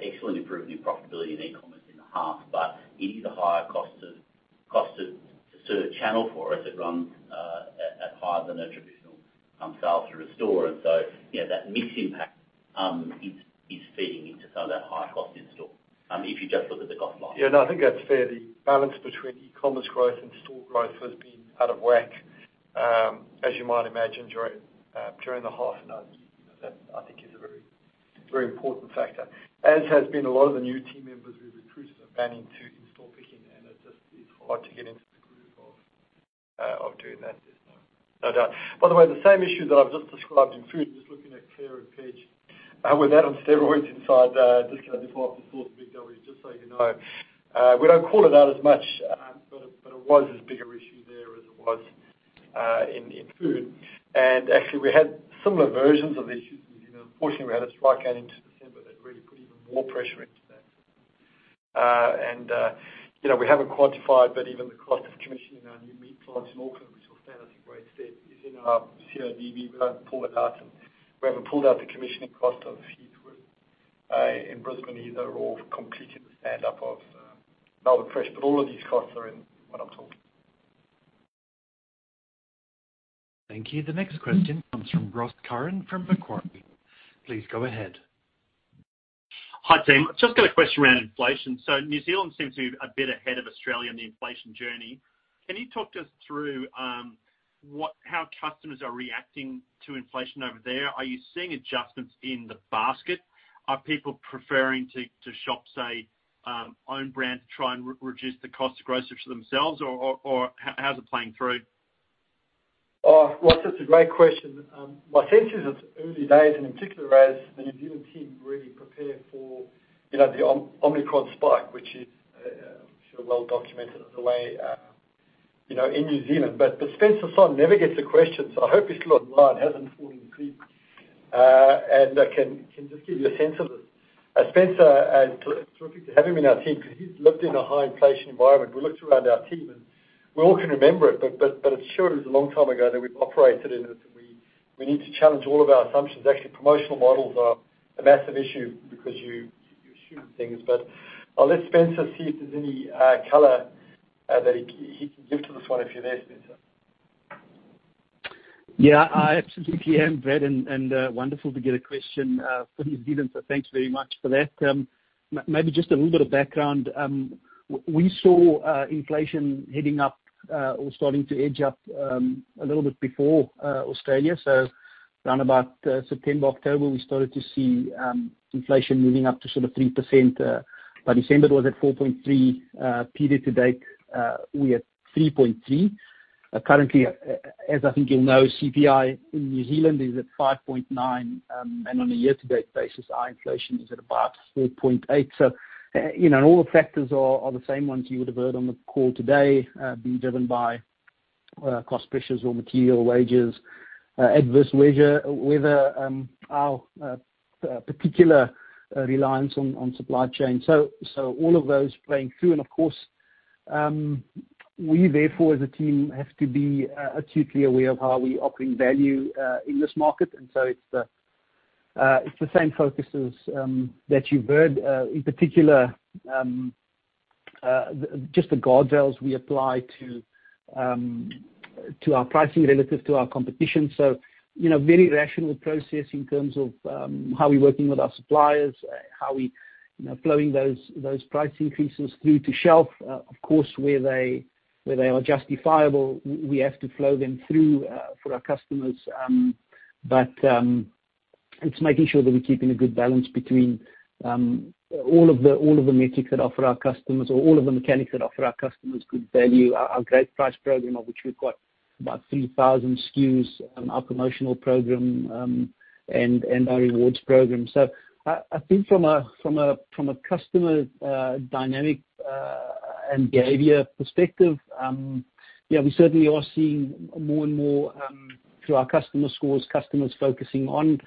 excellent improvement in profitability in e-commerce in the half. But it is a higher cost-to-serve channel for us. It runs at higher than a traditional sale through a store. You know, that mix impact, it's feeding into some of that higher cost in-store, if you just look at the cost line. Yeah. No, I think that's fair. The balance between e-commerce growth and store growth has been out of whack, as you might imagine during the half. That, you know, that I think is a very, very important factor. A lot of the new team members we've recruited are beginning to in-store picking, and it just is hard to get into the groove of doing that. There's no doubt. By the way, the same issue that I've just described in food, just looking at Claire and Paige, we're seeing that on steroids inside the discount department up to BIG W. Just so you know, we don't call it out as much, but it was as big an issue there as it was in food. Actually, we had similar versions of the issues with, you know, unfortunately we had a strike going into December that really put even more pressure into that. You know, we haven't quantified, but even the cost of commissioning our new meat plants in Auckland, which was fantastic, great step, is in our CODB. We don't pull it out and we haven't pulled out the commissioning cost of seafood in Brisbane either, or completing the stand up of Melbourne Fresh. All of these costs are in what I'm talking. Thank you. The next question comes from Ross Curran from Macquarie. Please go ahead. Hi, team. Just got a question around inflation. New Zealand seems to be a bit ahead of Australia on the inflation journey. Can you talk to us through how customers are reacting to inflation over there? Are you seeing adjustments in the basket? Are people preferring to shop, say, own brand to try and reduce the cost of groceries for themselves? Or how's it playing through? Oh, Ross, that's a great question. My sense is it's early days, and in particular as the New Zealand team really prepare for, you know, the Omicron spike, which is well documented in the way, you know, in New Zealand. But Spencer Sonn never gets a question, so I hope he's still online, hasn't fallen asleep, and can just give you a sense of it. Spencer, it's terrific to have him in our team 'cause he's lived in a high inflation environment. We looked around our team and we all can remember it, but it sure is a long time ago that we've operated in it, and we need to challenge all of our assumptions. Actually, promotional models are a massive issue because you assume things. I'll let Spencer see if there's any color that he can give to this one if you're there, Spencer. Yeah, I absolutely am, Brad. Wonderful to get a question from New Zealand, so thanks very much for that. Maybe just a little bit of background. We saw inflation heading up or starting to edge up a little bit before Australia. Round about September, October, we started to see inflation moving up to sort of 3%. By December, it was at 4.3%. Period to date, we're at 3.3%. Currently, as I think you'll know, CPI in New Zealand is at 5.9%, and on a year-to-date basis, our inflation is at about 4.8%. You know, all the factors are the same ones you would have heard on the call today, being driven by cost pressures or material wages, adverse weather, our particular reliance on supply chain. All of those playing through. Of course, we therefore as a team have to be acutely aware of how we offering value in this market. It's the same focuses that you've heard. In particular, just the guardrails we apply to our pricing relative to our competition. You know, very rational process in terms of how we're working with our suppliers, how we, you know, flowing those price increases through to shelf. Of course, where they are justifiable, we have to flow them through for our customers. But it's making sure that we're keeping a good balance between all of the mechanics that offer our customers good value. Our great price program, of which we've got about 3,000 SKUs, our promotional program, and our rewards program. I think from a customer dynamic and behavior perspective, we certainly are seeing more and more through our customer scores, customers focusing on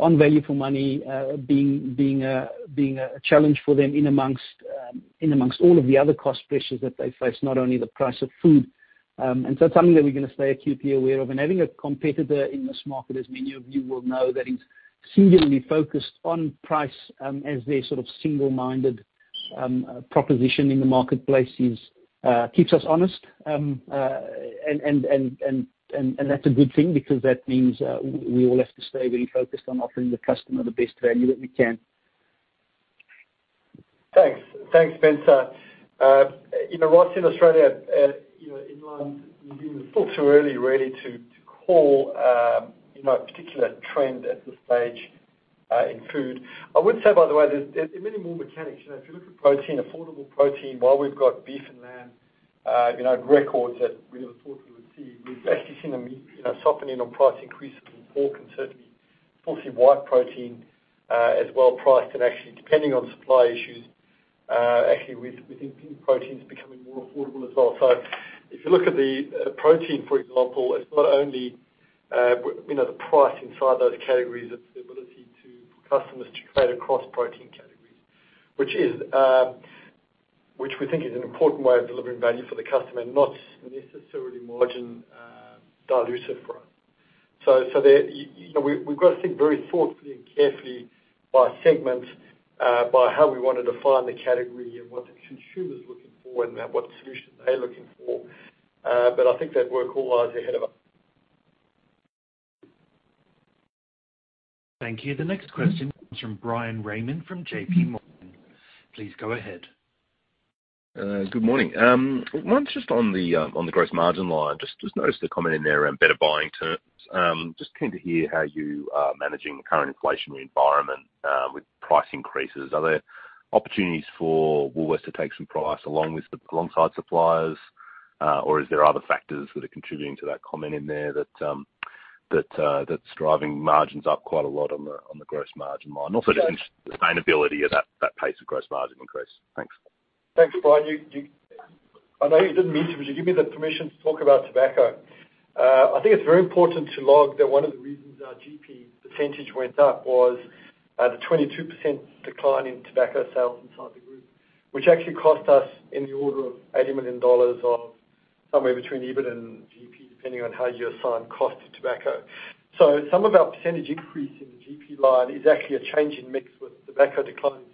value for money being a challenge for them among all of the other cost pressures that they face, not only the price of food. It's something that we're gonna stay acutely aware of. Having a competitor in this market, as many of you will know, that is singularly focused on price, as their sort of single-minded proposition in the marketplace is, keeps us honest. That's a good thing because that means we all have to stay really focused on offering the customer the best value that we can. Thanks. Thanks, Spencer. You know, Ross, in Australia, you know, online, it's still too early really to call you know, a particular trend at this stage in food. I would say, by the way, there are many more mechanics. You know, if you look at protein, affordable protein, while we've got beef and lamb you know, at records that we never thought we would see, we've actually seen softening on price increases in pork and certainly poultry, white protein as well priced. And actually depending on supply issues, actually we think protein's becoming more affordable as well. If you look at the protein, for example, it's not only you know, the price inside those categories, it's the ability for customers to trade across protein categories. Which we think is an important way of delivering value for the customer, not necessarily margin dilutive for us. There you know, we've got to think very thoughtfully and carefully by segment, by how we want to define the category and what the consumer's looking for and what solution they're looking for. I think that work all lies ahead of us. Thank you. The next question comes from Bryan Raymond from J.P. Morgan. Please go ahead. Good morning. One's just on the gross margin line. Just noticed the comment in there around better buying terms. Just keen to hear how you are managing the current inflationary environment with price increases. Are there opportunities for Woolworths to take some price alongside suppliers? Or is there other factors that are contributing to that comment in there that's driving margins up quite a lot on the gross margin line? Also just interested in the sustainability of that pace of gross margin increase. Thanks. Thanks, Bryan. You... I know you didn't mean to, but you give me the permission to talk about tobacco. I think it's very important to log that one of the reasons our GP percentage went up was the 22% decline in tobacco sales inside the group, which actually cost us in the order of 80 million dollars or somewhere between EBIT and GP, depending on how you assign cost to tobacco. Some of our percentage increase in the GP line is actually a change in mix with tobacco declining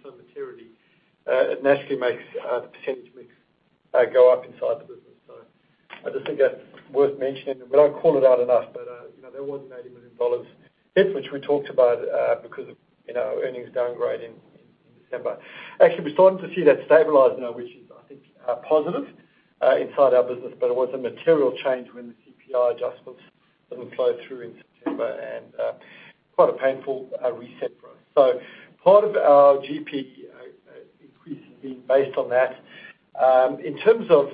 so materially. It naturally makes the percentage mix go up inside the business. I just think that's worth mentioning. We don't call it out enough, but you know, there was an 80 million dollars hit which we talked about because of you know, earnings downgrade in December. Actually, we're starting to see that stabilize now, which is, I think, positive, inside our business. It was a material change when the CPI adjustments didn't flow through in September and quite a painful reset for us. Part of our GP increase is being based on that. In terms of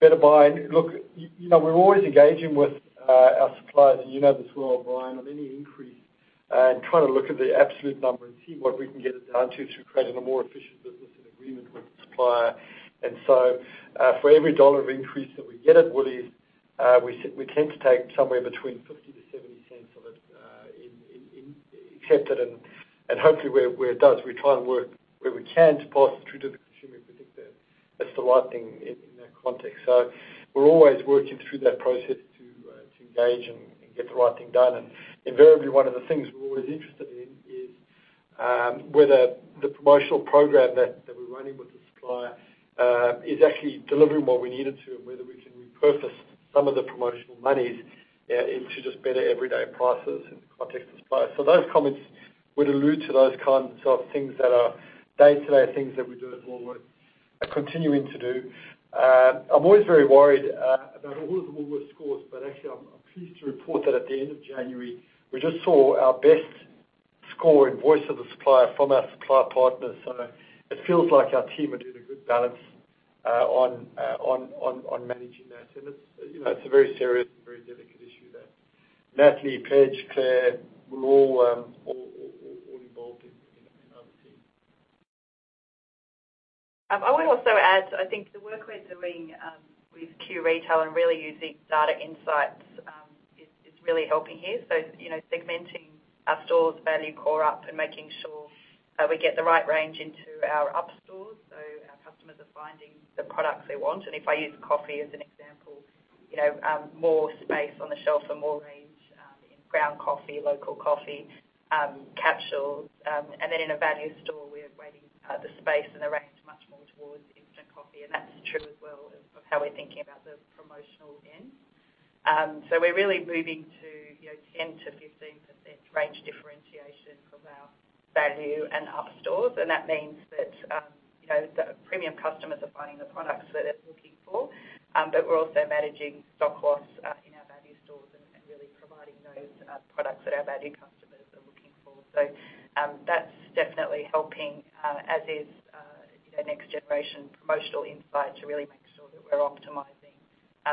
better buy. Look, you know, we're always engaging with our suppliers, and you know this well, Bryan, on any increase, trying to look at the absolute number and see what we can get it down to to create a more efficient business and agreement with the supplier. For every AUD 1 of increase that we get at Woolies, we tend to take somewhere between 0.50-0.70 of it in. Accepted and hopefully where it does, we try and work where we can to pass through to the consumer if we think that that's the right thing in that context. We're always working through that process to engage and get the right thing done. Invariably, one of the things we're always interested in is whether the promotional program that we're running with the supplier is actually delivering what we need it to and whether we can repurpose some of the promotional monies into just better everyday prices in context of suppliers. Those comments would allude to those kinds of things that are day-to-day things that we do at Woolworths and continuing to do. I'm always very worried about all of the Woolworths scores, but actually I'm pleased to report that at the end of January, we just saw our best score in voice of the supplier from our supplier partners. It feels like our team are doing a good balance on managing that. You know, it's a very serious and very delicate issue that Natalie, Paige, Claire, we're all involved in our team. I would also add, I think the work we're doing with Q-Retail and really using data insights is really helping here. You know, segmenting our stores value core up and making sure that we get the right range into our up stores, so our customers are finding the products they want. If I use coffee as an example, you know, more space on the shelf for more range in ground coffee, local coffee, capsules. Then in a value store, we're weighting the space and the range much more towards instant coffee. That's true as well of how we're thinking about the promotional end. We're really moving to, you know, 10%-15% range differentiation from our value and up stores. That means that, you know, the premium customers are finding the products that they're looking for, but we're also managing stock loss in our value stores and really providing those products that our value customers are looking for. That's definitely helping, as is, you know, next generation promotional insight to really make sure that we're optimizing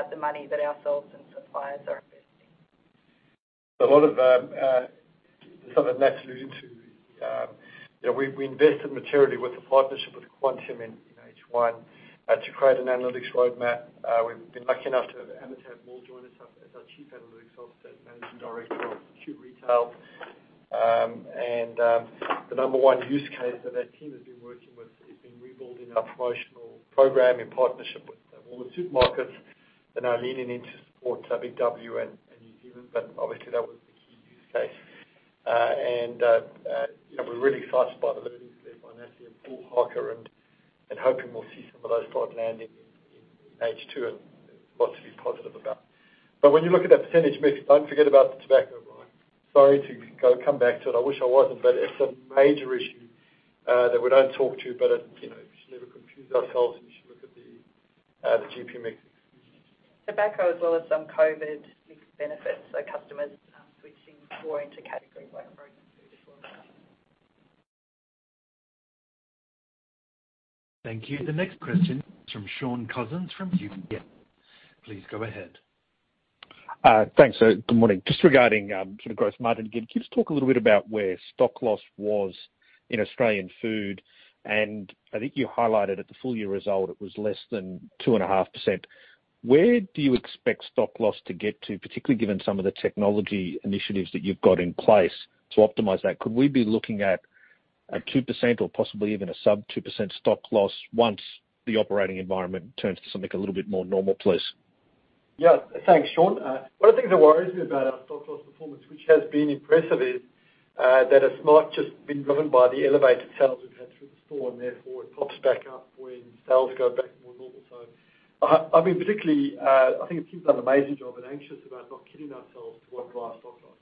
the money that ourselves and suppliers are investing. A lot of some of it Nat alluded to, you know, we invested materially with the partnership with Quantium in H1 to create an analytics roadmap. We've been lucky enough to have Amitabh Mall join us up as our Chief Analytics Officer and Managing Director of Q-Retail. The number one use case that team has been working with has been rebuilding our promotional program in partnership with all the supermarkets that are leaning into support BIG W and New Zealand. Obviously that was the key use case. You know, we're really excited by the learnings led by Natalie and Paul Harker and hoping we'll see some of those start landing in H2 and lots to be positive about. when you look at that percentage mix, don't forget about the tobacco, Bryan. Sorry to come back to it. I wish I wasn't, but it's a major issue that we don't talk about, but, you know, you should never confuse ourselves, and you should look at the GP mix. Tobacco as well as some COVID mixed benefits, so customers switching more into category wine and protein food as well. Thank you. The next question is from Shaun Cousins from UBS. Please go ahead. Thanks. Good morning. Just regarding, sort of gross margin again. Can you just talk a little bit about where stock loss was in Australian Food? I think you highlighted at the full-year result it was less than 2.5%. Where do you expect stock loss to get to, particularly given some of the technology initiatives that you've got in place to optimize that? Could we be looking at a 2% or possibly even a sub-2% stock loss once the operating environment turns to something a little bit more normal, please? Thanks, Shaun. One of the things that worries me about our stock loss performance, which has been impressive, is that it's not just been driven by the elevated sales we've had through the store, and therefore it pops back up when sales go back more normal. I mean, particularly, I think the team's done an amazing job and I'm anxious about not kidding ourselves as to what drives stock loss.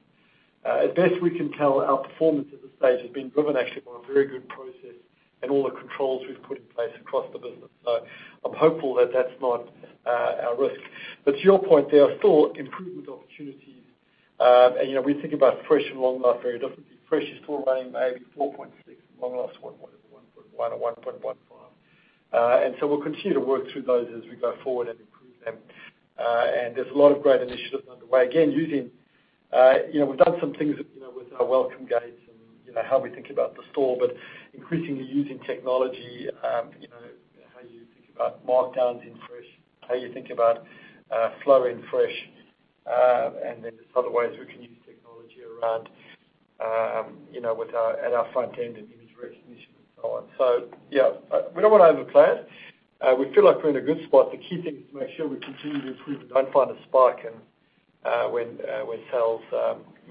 At best we can tell our performance at this stage has been driven actually by a very good process and all the controls we've put in place across the business. I'm hopeful that that's not our risk. To your point, there are still improvement opportunities. You know, we think about fresh and long life very differently. Fresh is still running maybe 4.6%, and long life's 1.1% or 1.15%. We'll continue to work through those as we go forward and improve them. There's a lot of great initiatives underway. Again, using, you know, we've done some things, you know, with our welcome guides and, you know, how we think about the store, but increasingly using technology, you know, how you think about markdowns in fresh, how you think about, flow in fresh. Then just other ways we can use technology around, you know, with our, at our front end and image recognition and so on. Yeah, we don't wanna over plan. We feel like we're in a good spot. The key thing is to make sure we continue to improve and don't find a spike and when sales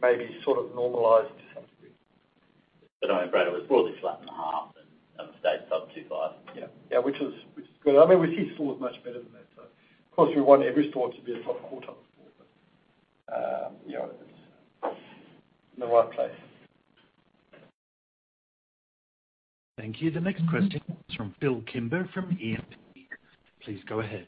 maybe sort of normalize to some degree. I mean, Brad, it was broadly flat in the half and stayed sub 2.5%. Yeah. Yeah, which is good. I mean, we see stores much better than that. Of course we want every store to be a top quarter store. You know, it's in the right place. Thank you. The next question is from Phillip Kimber, from E&P. Please go ahead.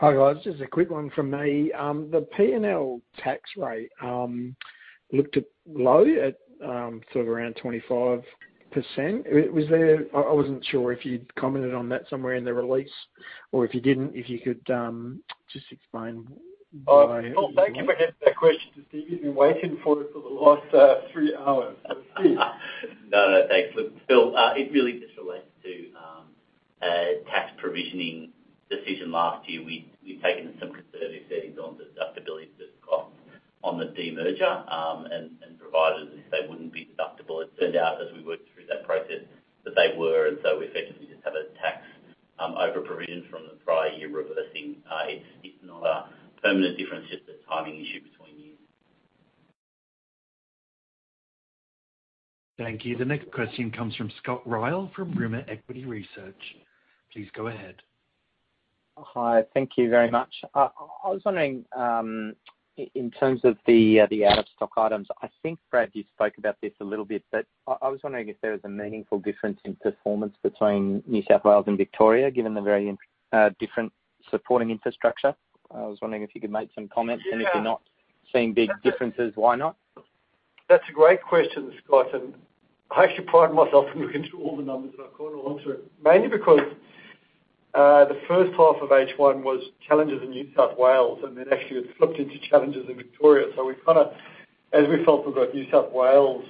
Hi, guys. Just a quick one from me. The P&L tax rate looked a bit low, sort of around 25%. I wasn't sure if you'd commented on that somewhere in the release or if you didn't, if you could just explain why. Oh, Phil, thank you for getting that question to Steve. He's been waiting for it for the last three hours. Steve. No, no, thanks. Look, Phil, it really just relates to a tax provisioning decision last year. We've taken some conservative settings on the deductibility of costs on the demerger, and provisions, if they wouldn't be deductible. It turned out, as we worked through that process, that they were. We effectively just have a tax overprovision from the prior year reversing. It's not a permanent difference, it's just a timing issue between years. Thank you. The next question comes from Scott Ryall, from Rimor Equity Research. Please go ahead. Hi. Thank you very much. I was wondering, in terms of the out-of-stock items, I think, Brad, you spoke about this a little bit, but I was wondering if there was a meaningful difference in performance between New South Wales and Victoria, given the very different supporting infrastructure. I was wondering if you could make some comments. Yeah. If you're not seeing big differences, why not? That's a great question, Scott, and I actually pride myself in looking through all the numbers, and I've gone along to it. Mainly because the first half of H1 was challenges in New South Wales, and then actually it flipped into challenges in Victoria. As we felt we've got New South Wales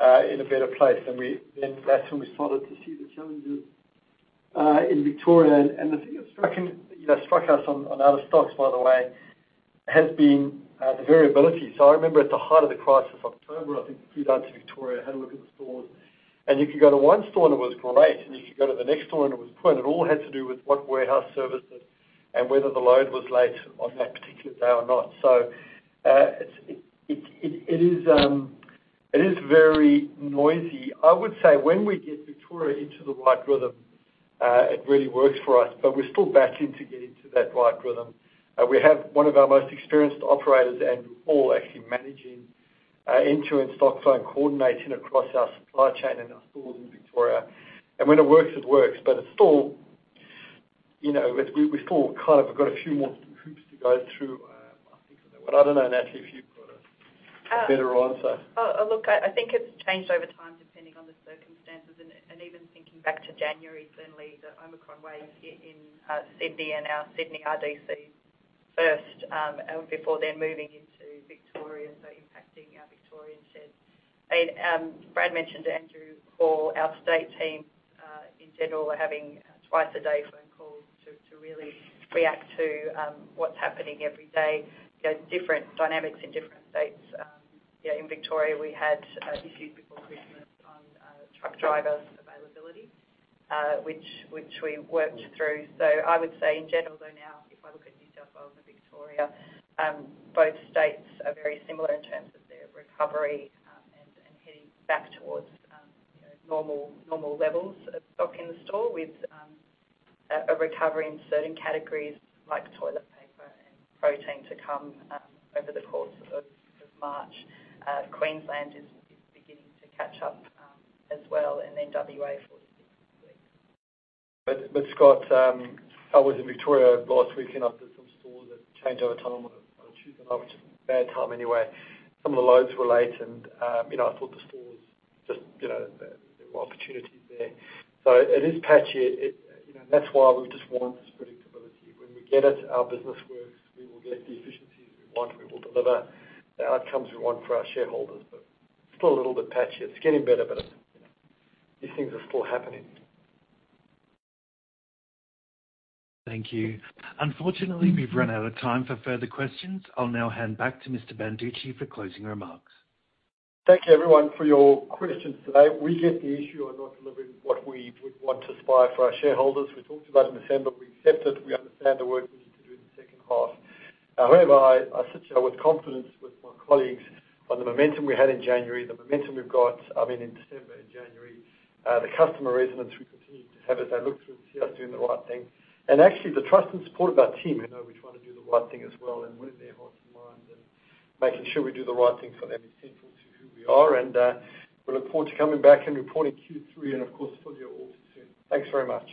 in a better place than we. That's when we started to see the challenges in Victoria. The thing that struck us on out-of-stocks, by the way, has been the variability. I remember at the height of the crisis, October, I think I flew down to Victoria, had a look at the stores. You could go to one store and it was great, and you could go to the next store and it was poor. It all had to do with what warehouse services and whether the load was late on that particular day or not. It's it is very noisy. I would say, when we get Victoria into the right rhythm, it really works for us, but we're still battling to get into that right rhythm. We have one of our most experienced operators, Andrew Hall, actually managing end-to-end stock flow and coordinating across our supply chain and our stores in Victoria. When it works, it works, but it's still, you know, we've still kind of got a few more hoops to go through. I think, but I don't know, Natalie, if you've got a better answer. Look, I think it's changed over time, depending on the circumstances and even thinking back to January, certainly the Omicron wave hit in Sydney and our Sydney RDC first, and before then moving into Victoria, so impacting our Victorian sheds. I mean, Brad mentioned Andrew Hall. Our state team in general are having twice-a-day phone calls to really react to what's happening every day. You know, different dynamics in different states. Yeah, in Victoria, we had issues before Christmas on truck driver availability, which we worked through. I would say in general, though now, if I look at New South Wales and Victoria, both states are very similar in terms of their recovery, and heading back towards, you know, normal levels of stock in store with a recovery in certain categories like toilet paper and protein to come over the course of March. Queensland is beginning to catch up as well and then WA fourth to sixth place. Scott, I was in Victoria last weekend. I visited some stores that change over time. On a Tuesday night, which is a bad time anyway. Some of the loads were late and, you know, I thought the stores just, you know, there were opportunities there. It is patchy. It, you know, and that's why we just want this predictability. When we get it, our business works, we will get the efficiencies we want, we will deliver the outcomes we want for our shareholders. Still a little bit patchy. It's getting better, but, you know, these things are still happening. Thank you. Unfortunately, we've run out of time for further questions. I'll now hand back to Mr. Banducci for closing remarks. Thank you everyone for your questions today. We get the issue on not delivering what we would want to aspire for our shareholders. We talked about it in December. We accept it. We understand the work we need to do in the second half. However, I sit here with confidence with my colleagues on the momentum we had in January, the momentum we've got, I mean, in December and January. The customer resonance we continue to have as they look through and see us doing the right thing. Actually the trust and support of our team, who know we try to do the right thing as well and we're in their hearts and minds and making sure we do the right thing for them is central to who we are. We look forward to coming back and reporting Q3 and, of course, full-year also soon. Thanks very much.